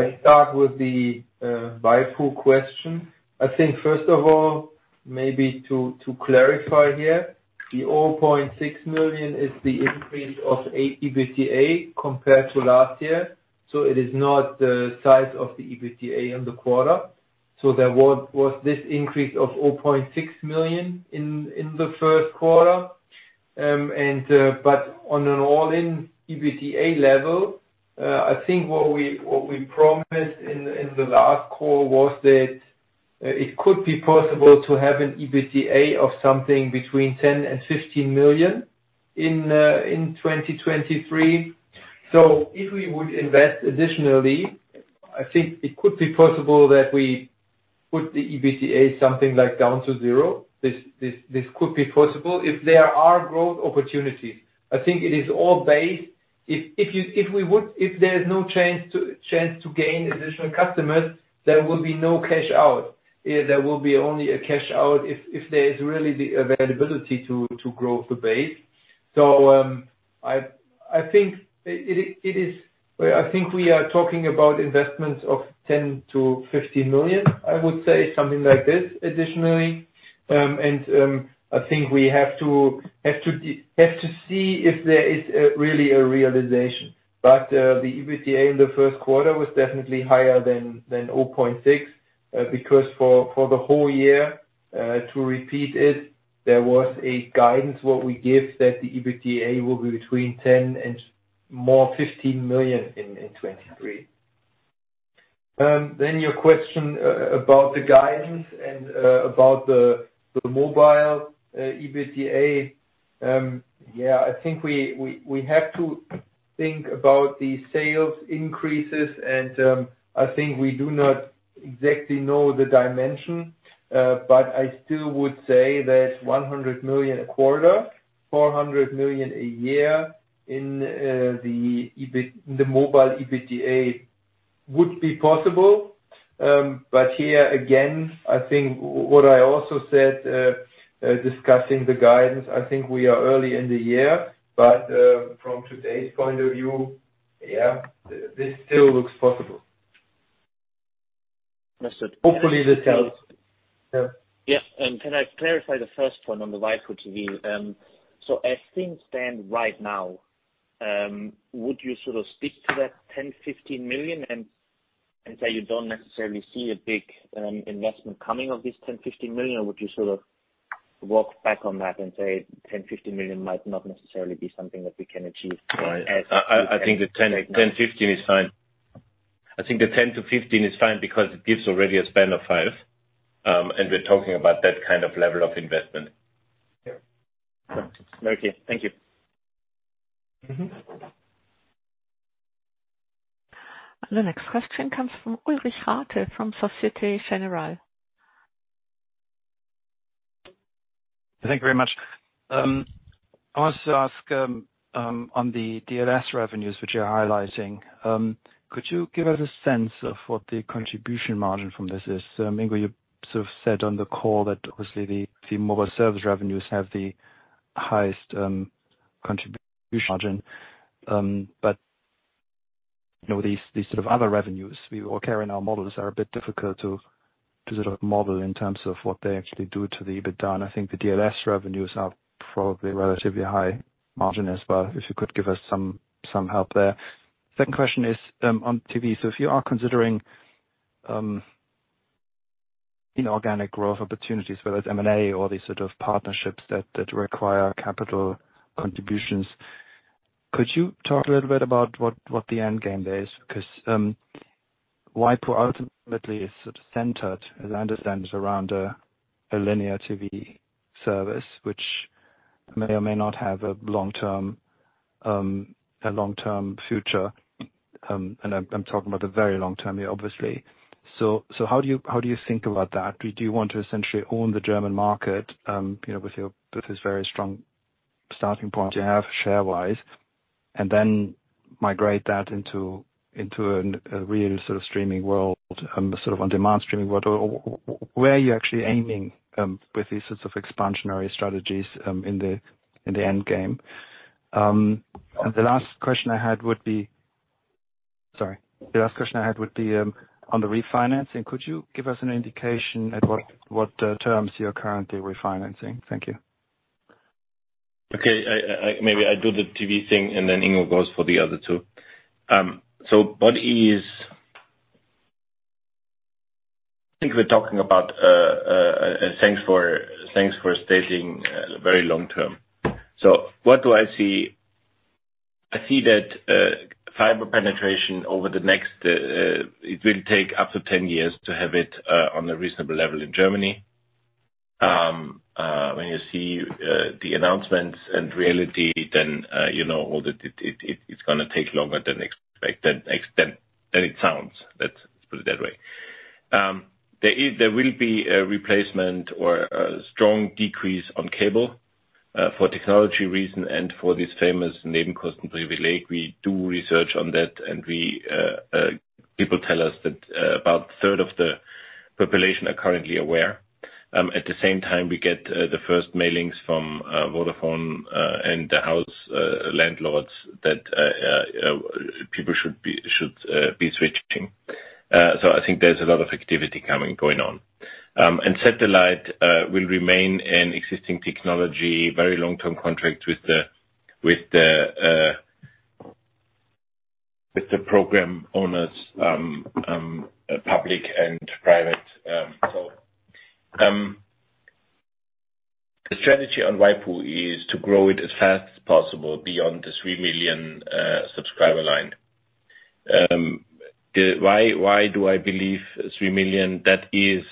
I start with the waipu question. I think first of all, maybe to clarify here, the 0.6 million is the increase of EBITDA compared to last year, so it is not the size of the EBITDA in the quarter. There was this increase of 0.6 million in the first quarter. But on an all-in EBITDA level, I think what we promised in the last call was that it could be possible to have an EBITDA of something between 10 million and 15 million in 2023. If we would invest additionally, I think it could be possible that we put the EBITDA something like down to 0. This could be possible if there are growth opportunities. I think it is all based... If there is no chance to gain additional customers, there will be no cash out. There will be only a cash out if there is really the availability to grow the base. I think we are talking about investments of 10 million-15 million, I would say something like this additionally. I think we have to see if there is really a realization. The EBITDA in the first quarter was definitely higher than 0.6 million, because for the whole year, to repeat it, there was a guidance, what we give, that the EBITDA will be between 10 million and more 15 million in 2023. Your question about the guidance and about the mobile EBITDA. Yeah, I think we have to think about the sales increases, and I think we do not exactly know the dimension, but I still would say that 100 million a quarter, 400 million a year in the mobile EBITDA would be possible. Here again, I think what I also said, discussing the guidance, I think we are early in the year, but from today's point of view, yeah, this still looks possible. Understood. Hopefully that helps. Yeah. Yeah. Can I clarify the first one on the waipu.tv? As things stand right now, would you sort of stick to that 10 million-15 million and say you don't necessarily see a big investment coming of this 10 million-15 million? Would you sort of walk back on that and say 10 million-15 million might not necessarily be something that we can achieve? I think the 10-15 is fine. I think the 10-15 is fine because it gives already a span of five. We're talking about that kind of level of investment. Yeah. Okay. Thank you. The next question comes from Ulrich Rathe from Societe Generale. Thank you very much. I wanted to ask on the DLS revenues, which you're highlighting, could you give us a sense of what the contribution margin from this is? Ingo, you sort of said on the call that obviously the mobile service revenues have the highest contribution margin. You know, these sort of other revenues we all carry in our models are a bit difficult to sort of model in terms of what they actually do to the EBITDA. I think the DLS revenues are probably relatively high margin as well, if you could give us some help there. Second question is on TV. If you are considering inorganic growth opportunities, whether it's M&A or these sort of partnerships that require capital contributions, could you talk a little bit about what the end game there is? Because YPO ultimately is sort of centered, as I understand it, around a linear TV service, which may or may not have a long-term future. I'm talking about the very long term here, obviously. How do you think about that? Do you want to essentially own the German market, you know, with your, with this very strong starting point you have share-wise, and then migrate that into a real sort of streaming world, sort of on-demand streaming world? Where are you actually aiming with these sorts of expansionary strategies in the end game? The last question I had would be. Sorry. The last question I had would be on the refinancing. Could you give us an indication at what terms you're currently refinancing? Thank you. Okay. I maybe I do the TV thing, and then Ingo goes for the other two. I think we're talking about, thanks for stating very long term. What do I see? I see that fiber penetration over the next, it will take up to 10 years to have it on a reasonable level in Germany. When you see the announcements and reality, then, you know, it's gonna take longer than expected, than it sounds. Let's put it that way. There will be a replacement or a strong decrease on cable for technology reason and for this famous Nebenkostenprivileg. We do research on that, and we, people tell us that about a third of the population are currently aware. At the same time, we get the first mailings from Vodafone and the house landlords that people should be switching. I think there's a lot of activity coming, going on. Satellite will remain an existing technology, very long-term contract with the. With the program owners, public and private. The strategy on waipu is to grow it as fast as possible beyond the 3 million subscriber line. Why do I believe 3 million? That is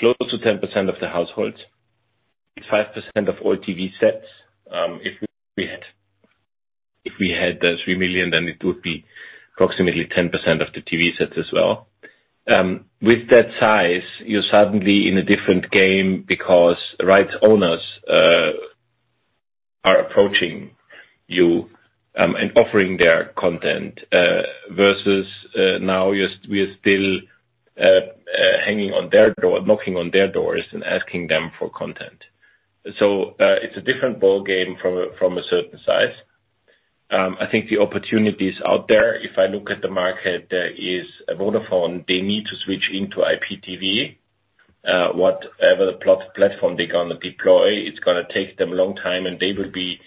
close to 10% of the households. It's 5% of all TV sets. If we had the 3 million, then it would be approximately 10% of the TV sets as well. With that size, you're suddenly in a different game because rights owners are approaching you and offering their content versus now we are still hanging on their door, knocking on their doors and asking them for content. It's a different ballgame from a certain size. I think the opportunity is out there. If I look at the market, there is Vodafone. They need to switch into IPTV. whatever the plot platform they're gonna deploy, it's gonna take them a long time, they will be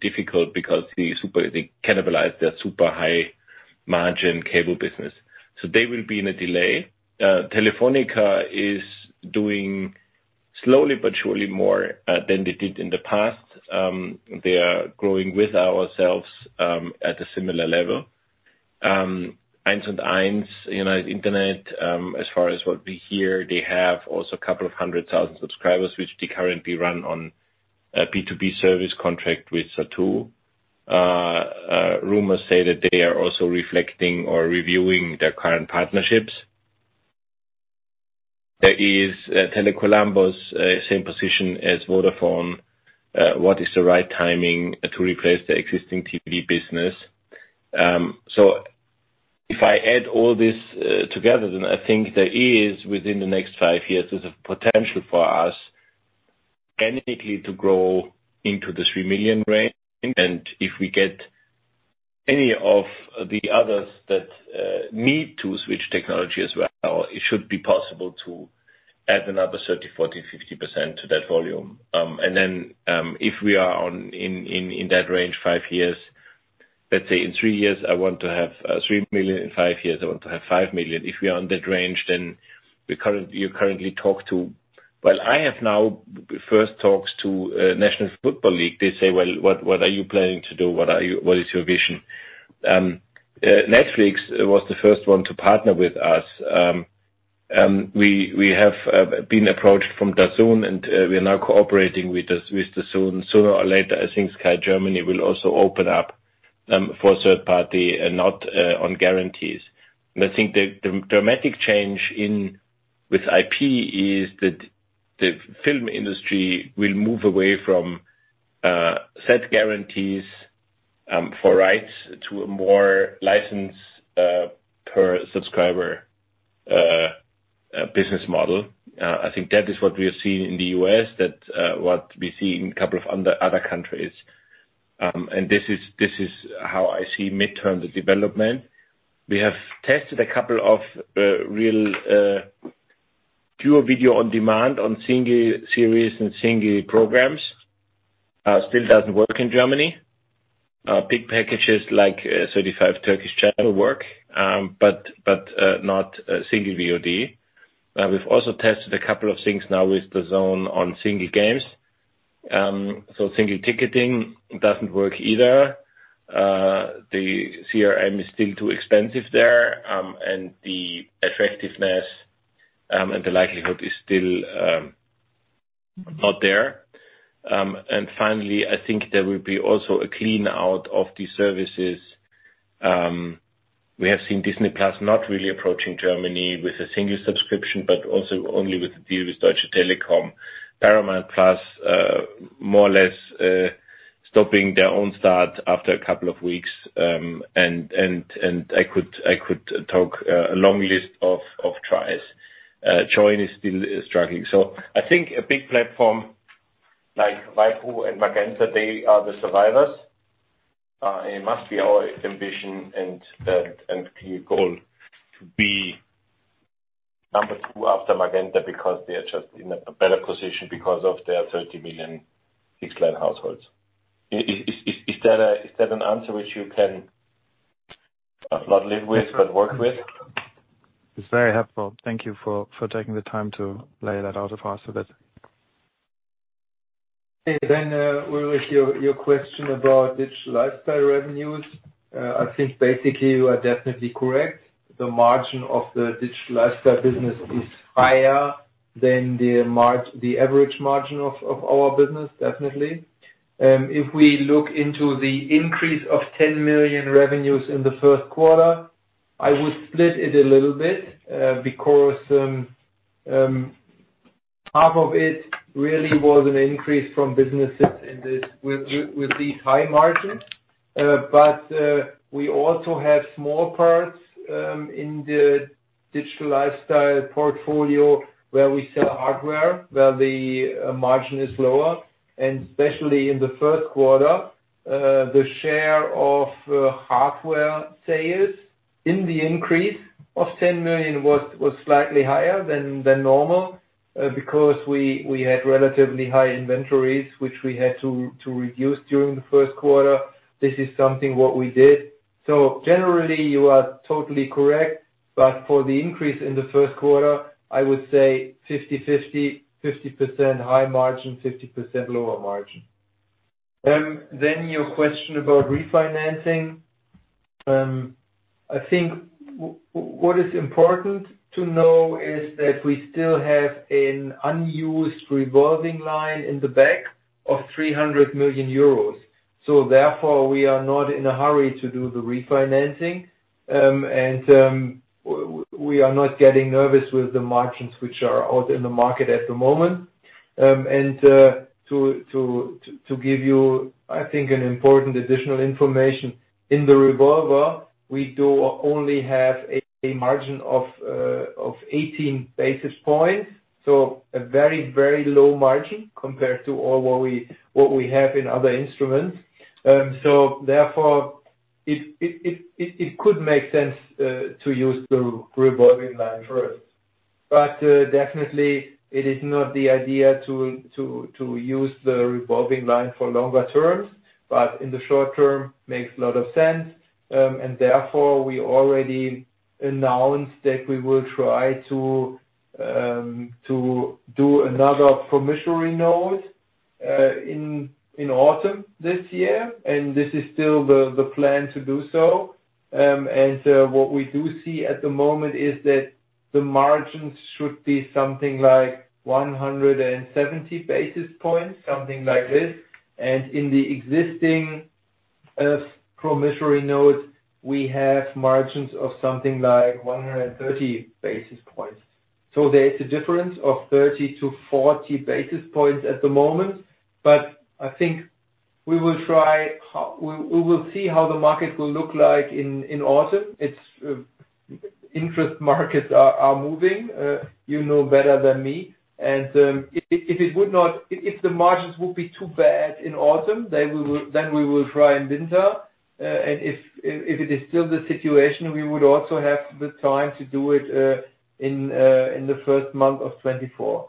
difficult because they cannibalize their super high margin cable business. They will be in a delay. Telefónica is doing slowly but surely more than they did in the past. They are growing with ourselves at a similar level. 1&1, United Internet, as far as what we hear, they have also a couple of 100,000 subscribers, which they currently run on a B2B service contract with Satell. rumors say that they are also reflecting or reviewing their current partnerships. There is Tele Columbus, same position as Vodafone. What is the right timing to replace the existing TV business? If I add all this together, then I think there is, within the next five years, there's a potential for us, an entity to grow into the 3 million range. If we get any of the others that need to switch technology as well, it should be possible to add another 30%, 40%, 50% to that volume. If we are on, in that range, five years, let's say in three years, I want to 3 million. in five years, i want to have 5 million. If we are on that range, then I have now first talks to National Football League. They say, "Well, what are you planning to do? What is your vision? Netflix was the first one to partner with us. We have been approached from DAZN, and we are now cooperating with DAZN. Sooner or later, I think Sky Germany will also open up for third party and not on guarantees. I think the dramatic change with IP is that the film industry will move away from set guarantees for rights to a more license per subscriber business model. I think that is what we are seeing in the U.S., that what we see in a couple of other countries. This is how I see midterm the development. We have tested a couple of real pure video on demand on single series and single programs. Still doesn't work in Germany. Big packages like 35 Turkish channel work, but not single VOD. We've also tested a couple of things now with the Zone on single games. Single ticketing doesn't work either. The CRM is still too expensive there, and the attractiveness and the likelihood is still not there. Finally, I think there will be also a clean out of these services. We have seen Disney+ not really approaching Germany with a single subscription, but also only with a deal with Deutsche Telekom. Paramount+ more or less stopping their own start after a couple of weeks. I could talk a long list of tries. Joyn is still struggling. I think a big platform like Waipu and Magenta, they are the survivors. It must be our ambition and key goal to be number 2 after Magenta because they are just in better position because of their 30 million fixed line households. Is that an answer which you can not live with, but work with? It's very helpful. Thank you for taking the time to lay that out for us. With your question about digital lifestyle revenues, I think basically you are definitely correct. The margin of the digital lifestyle business is higher than the average margin of our business, definitely. If we look into the increase of 10 million revenues in the first quarter, I would split it a little bit because half of it really was an increase from businesses with these high margins. We also have small parts in the digital lifestyle portfolio where we sell hardware, where the margin is lower. Especially in the first quarter, the share of hardware sales. In the increase of 10 million was slightly higher than normal because we had relatively high inventories, which we had to reduce during the first quarter. This is something what we did. Generally, you are totally correct. For the increase in the first quarter, I would say 50/50. 50% high margin, 50% lower margin. Your question about refinancing. I think what is important to know is that we still have an unused revolving line in the back of 300 million euros. Therefore, we are not in a hurry to do the refinancing, and we are not getting nervous with the margins which are out in the market at the moment. To give you, I think an important additional information, in the revolver, we do only have a margin of 18 basis points, so a very, very low margin compared to all what we have in other instruments. Therefore it could make sense to use the revolving line first. Definitely it is not the idea to use the revolving line for longer terms, but in the short term makes a lot of sense. Therefore we already announced that we will try to do another promissory note in autumn this year, and this is still the plan to do so. What we do see at the moment is that the margins should be something like 170 basis points, something like this. In the existing promissory note, we have margins of something like 130 basis points. There is a difference of 30-40 basis points at the moment. I think we will try. We will see how the market will look like in autumn. Its interest markets are moving, you know better than me. If the margins would be too bad in autumn, we will try in winter. If it is still the situation, we would also have the time to do it in the first month of 2024.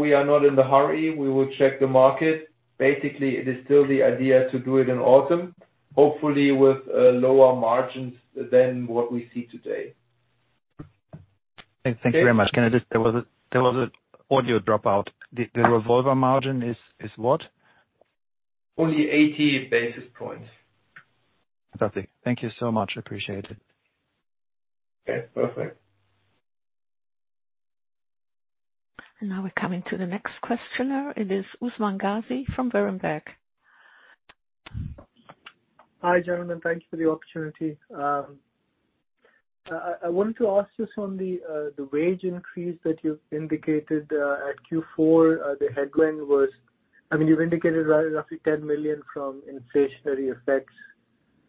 We are not in the hurry. We will check the market. It is still the idea to do it in autumn, hopefully with lower margins than what we see today. Thank you very much. Okay. There was a audio dropout. The revolver margin is what? Only 80 basis points. Fantastic. Thank you so much. Appreciate it. Okay, perfect. We're coming to the next questioner. It is Usman Ghazi from Berenberg. Hi, gentlemen. Thank you for the opportunity. I wanted to ask you on the wage increase that you indicated at Q4. I mean, you've indicated roughly 10 million from inflationary effects.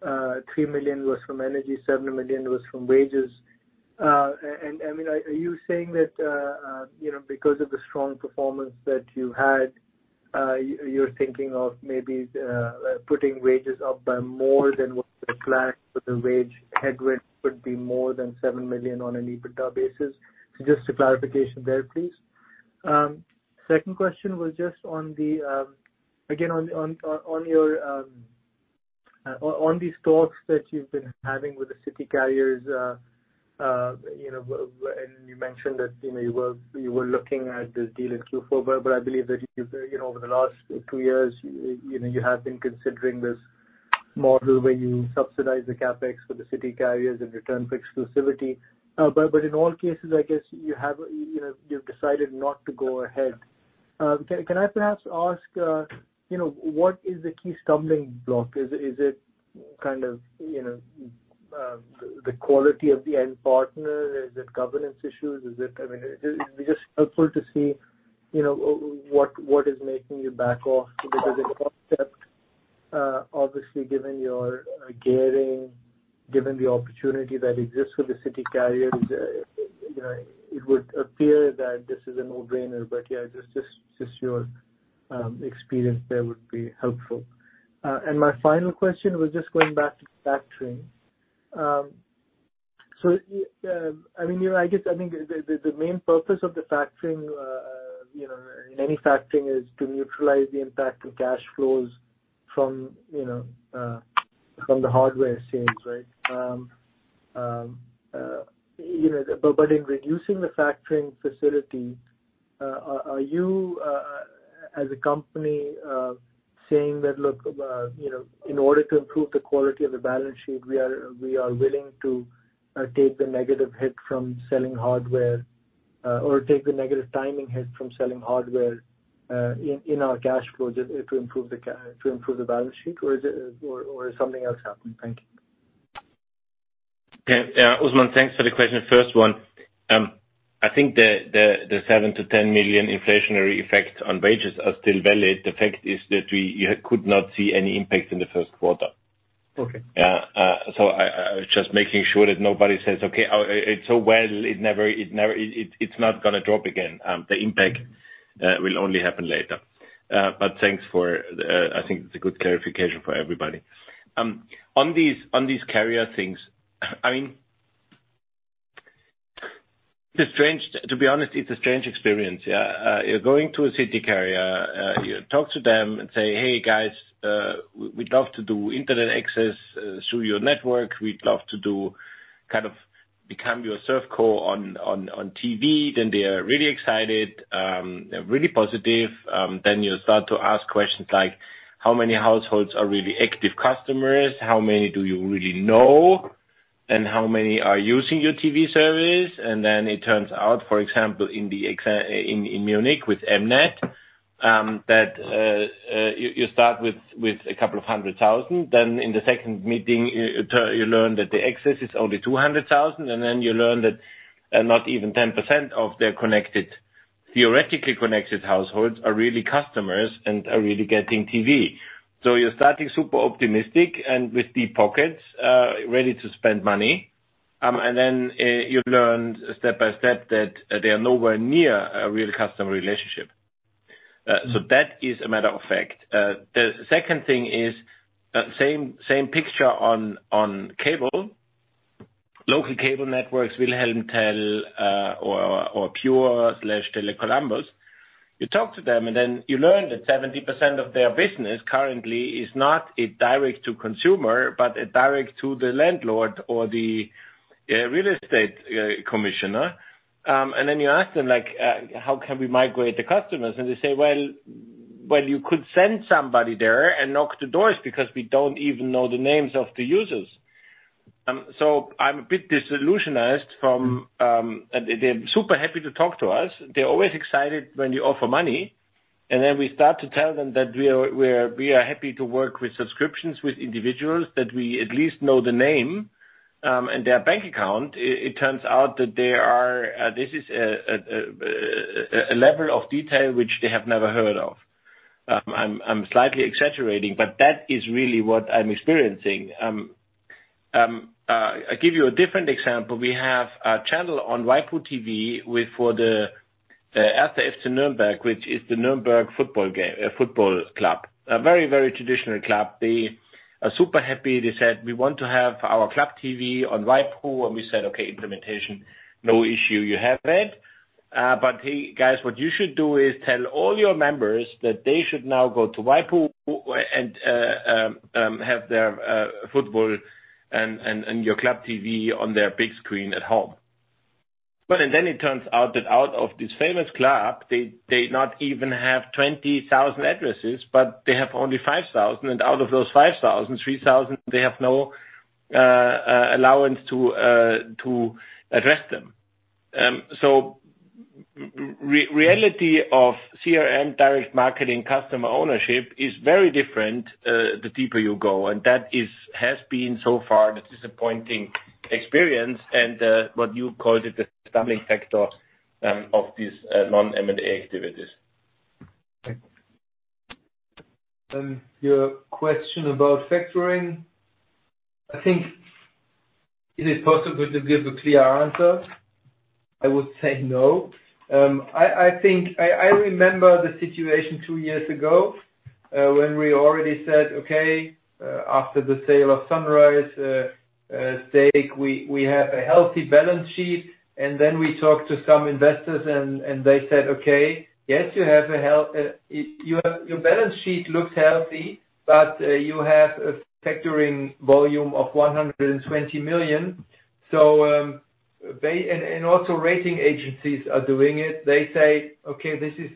3 million was from energy. 7 million was from wages. I mean, are you saying that, you know, because of the strong performance that you had, you're thinking of maybe putting wages up by more than what you planned for the wage headwind would be more than 7 million on an EBITDA basis? Just a clarification there, please. Second question was just on the again, on your on these talks that you've been having with the city carriers, and you mentioned that, you know, you were looking at the deal in Q4, but I believe that, you know, over the last two years, you know, you have been considering this model where you subsidize the CapEx for the city carriers in return for exclusivity. In all cases, I guess you have, you know, you've decided not to go ahead. Can I perhaps ask, you know, what is the key stumbling block? Is it kind of, you know, the quality of the end partner? Is it governance issues? Is it... I mean, it'd be just helpful to see, you know, what is making you back off because in concept, obviously, given your gearing, given the opportunity that exists with the city carriers, you know, it would appear that this is a no-brainer. Yeah, just your experience there would be helpful. My final question was just going back to factoring. I mean, you know, I guess I think the main purpose of the factoring, you know, in any factoring is to neutralize the impact of cash flows from, you know, from the hardware sales, right? You know, in reducing the factoring facility, are you as a company, saying that, look, you know, in order to improve the quality of the balance sheet, we are willing to take the negative hit from selling hardware, or take the negative timing hit from selling hardware, in our cash flow just to improve the balance sheet? Or is something else happening? Thank you. Yeah, yeah. Usman, thanks for the question. First one, I think the 7 million-10 million inflationary effects on wages are still valid. The fact is that we could not see any impact in the first quarter. Okay. Yeah. I was just making sure that nobody says, "Okay, it's so well, it's not gonna drop again." The impact will only happen later. Thanks for, I think it's a good clarification for everybody. On these carrier things, I mean. To be honest, it's a strange experience, yeah. You're going to a city carrier, you talk to them and say, "Hey, guys, we'd love to do internet access through your network. We'd love to do, kind of, become your ServCo on TV." They are really excited, really positive. You start to ask questions like, "How many households are really active customers? How many do you really know, and how many are using your TV service?" It turns out, for example, in Munich with M-net, that you start with a couple of 100,000. In the second meeting, you learn that the access is only 200,000, and then you learn that not even 10% of their connected, theoretically connected households are really customers and are really getting TV. You're starting super optimistic and with deep pockets, ready to spend money, and then you learn step by step that they are nowhere near a real customer relationship. That is a matter of fact. The second thing is, same picture on cable. Local cable networks, wilhelm.tel, or PYÜR/Tele Columbus. You talk to them, and then you learn that 70% of their business currently is not a direct to consumer, but a direct to the landlord or the real estate commissioner. Then you ask them, like, "How can we migrate the customers?" They say, "Well, you could send somebody there and knock the doors because we don't even know the names of the users." I'm a bit disillusioned from... They're super happy to talk to us. They're always excited when you offer money, and then we start to tell them that we are happy to work with subscriptions with individuals, that we at least know the name, and their bank account. It turns out that they are, this is a level of detail which they have never heard of. I'm slightly exaggerating, but that is really what I'm experiencing. I give you a different example. We have a channel on waipu.tv with, for the 1. FC Nürnberg, which is the Nürnberg football club. A very, very traditional club. They are super happy. They said, "We want to have our club TV on YPO." We said, "Okay, implementation, no issue. You have that. But hey, guys, what you should do is tell all your members that they should now go to YPO and have their football and your club TV on their big screen at home." It turns out that out of this famous club, they not even have 20,000 addresses, but they have only 5,000. And out of those 5,000, 3,000, they have no allowance to address them. Reality of CRM direct marketing customer ownership is very different, the deeper you go, and that is, has been so far the disappointing experience and, what you called it, the stumbling factor, of these, non-M&A activities. Thanks. Your question about factoring. I think, is it possible to give a clear answer? I would say no. I think I remember the situation two years ago when we already said, "Okay, after the sale of Sunrise stake, we have a healthy balance sheet." We talked to some investors and they said, "Okay, yes, your balance sheet looks healthy, but you have a factoring volume of 120 million." They. And also rating agencies are doing it. They say, "Okay, this is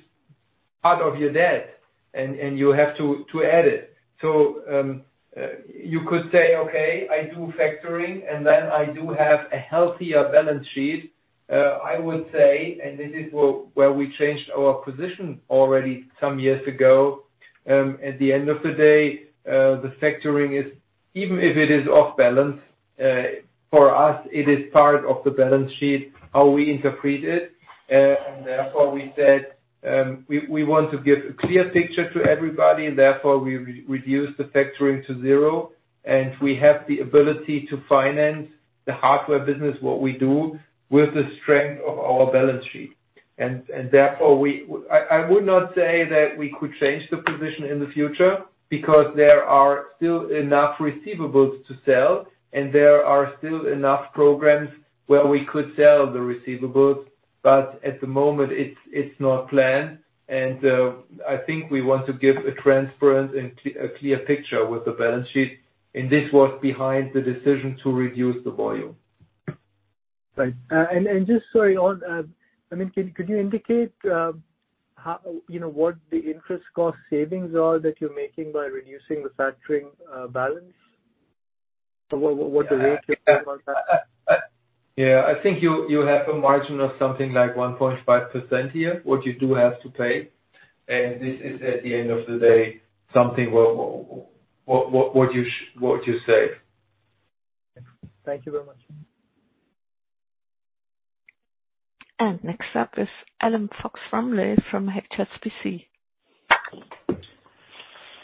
part of your debt and you have to add it." You could say, "Okay, I do factoring, and then I do have a healthier balance sheet." I would say, and this is where we changed our position already some years ago, at the end of the day, the factoring is, even if it is off balance, for us, it is part of the balance sheet, how we interpret it. Therefore we said, we want to give a clear picture to everybody, and therefore we re-reduce the factoring to zero. We have the ability to finance the hardware business, what we do, with the strength of our balance sheet. Therefore we... I would not say that we could change the position in the future, because there are still enough receivables to sell, and there are still enough programs where we could sell the receivables. At the moment, it's not planned. I think we want to give a transparent and clear picture with the balance sheet, and this was behind the decision to reduce the volume. Right. Just sorry on, I mean, could you indicate, how, you know, what the interest cost savings are that you're making by reducing the factoring, balance? Or what the rate is about that? Yeah. I think you have a margin of something like 1.5% here, what you do have to pay. This is, at the end of the day, something what you save. Thank you very much. Next up is Adam Fox-Rumley from HSBC.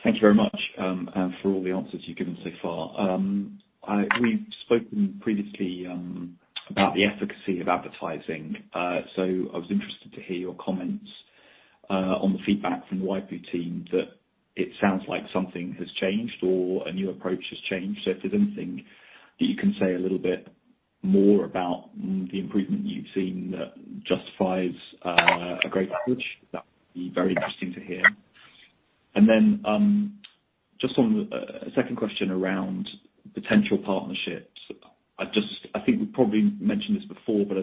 Thank you very much, and for all the answers you've given so far. We've spoken previously, about the efficacy of advertising. I was interested to hear your comments on the feedback from the YPO team that it sounds like something has changed or a new approach has changed. If there's anything that you can say a little bit more about the improvement you've seen that justifies a great approach, that would be very interesting to hear. Just on a second question around potential partnerships. I think we've probably mentioned this before, but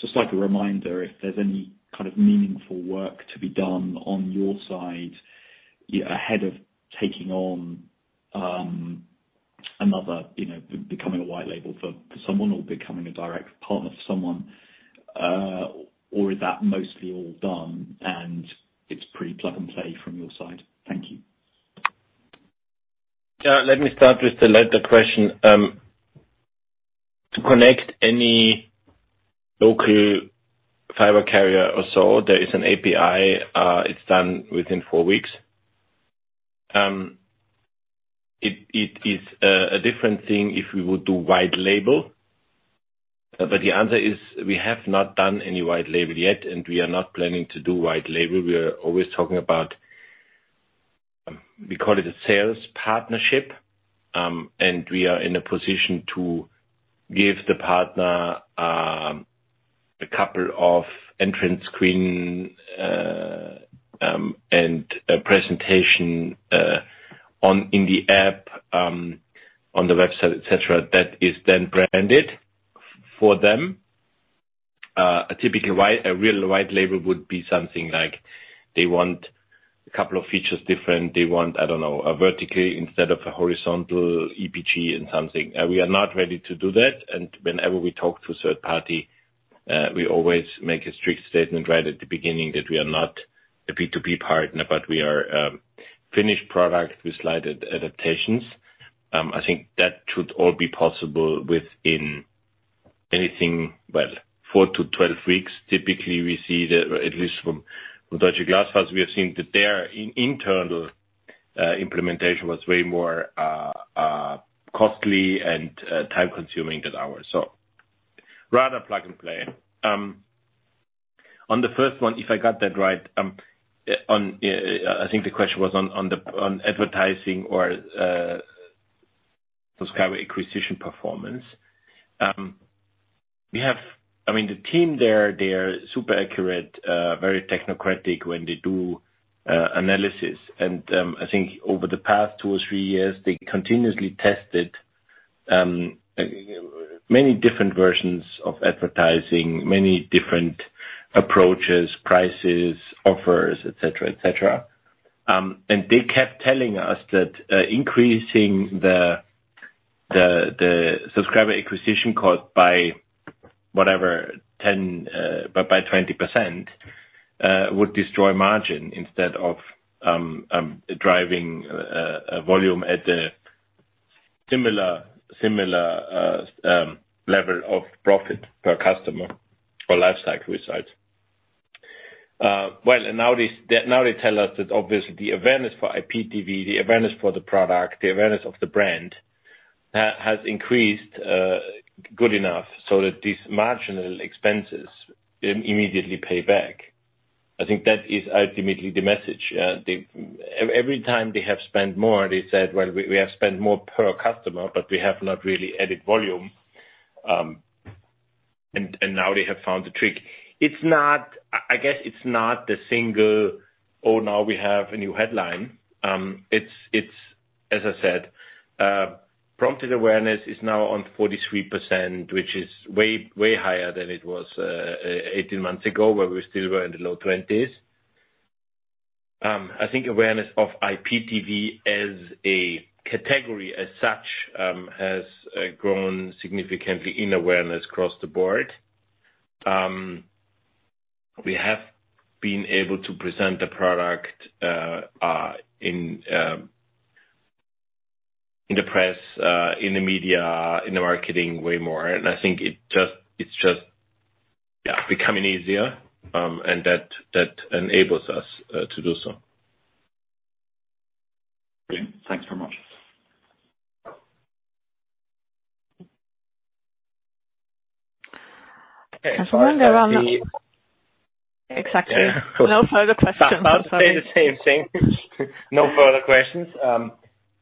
just like a reminder, if there's any kind of meaningful work to be done on your side ahead of taking on, another, you know, becoming a white label for someone or becoming a direct partner for someone, or is that mostly all done and it's pretty plug and play from your side? Thank you. own and apply the rules step-by-step. Original transcript: "Uh, let me start with the latter question. Um, to connect any local fiber carrier or so, there is an api it's done within four weeks. Um, it is a different thing if we would do white label. But the answer is we have not done any white label yet, and we are not planning to do white label. We are always talking about we call it a sales partnership and we are in a position to give the partner a couple of entrance screen, uh and a presentation on-- in the app on the website, et cetera, that is then branded for them. A typical white-- a real white label would be something like, they want a couple of features different. They want, I don't know, a vertically instead of a horizontal EPG and something. We are not ready to do that, and whenever we talk to a third party, we always make a strict statement right at the beginning that we are not a B2B partner, but we are a finished product with slight adaptations. I think that should all be possible within anything, well, 4-12 weeks. Typically, we see that, at least from Deutsche Glasfaser, we have seen that their internal implementation was way more costly and time-consuming than ours. Rather plug and play. On the first one, if I got that right, on, I think the question was on the advertising or subscriber acquisition performance. I mean, the team there, they are super accurate, very technocratic when they do analysis. I think over the past two or three years, they continuously tested many different versions of advertising, many different approaches, prices, offers, et cetera, et cetera. They kept telling us that increasing the subscriber acquisition cost by whatever, 10, by 20%, would destroy margin instead of driving volume at a similar level of profit per customer or life cycle, we said. Well, now they tell us that obviously the awareness for IPTV, the awareness for the product, the awareness of the brand has increased good enough so that these marginal expenses immediately pay back. I think that is ultimately the message. Every time they have spent more, they said, "Well, we have spent more per customer, but we have not really added volume." Now they have found the trick. I guess it's not the single, "Oh, now we have a new headline." It's as I said, prompted awareness is now on 43%, which is way higher than it was 18 months ago, where we still were in the low 20s. I think awareness of IPTV as a category as such has grown significantly in awareness across the board. We have been able to present the product in the press, in the media, in the marketing way more. I think it just, it's just, yeah, becoming easier, and that enables us to do so. Brilliant. Thanks very much. As far as the- Exactly. Yeah. No further questions. About to say the same thing. No further questions.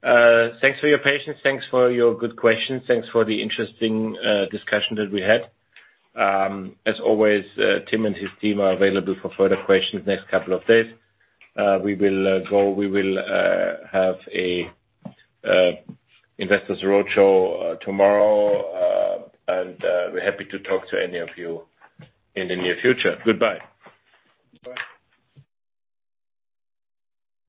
Thanks for your patience. Thanks for your good questions. Thanks for the interesting discussion that we had. As always, Tim and his team are available for further questions next couple of days. We will have a investors roadshow tomorrow. We're happy to talk to any of you in the near future. Goodbye. Bye.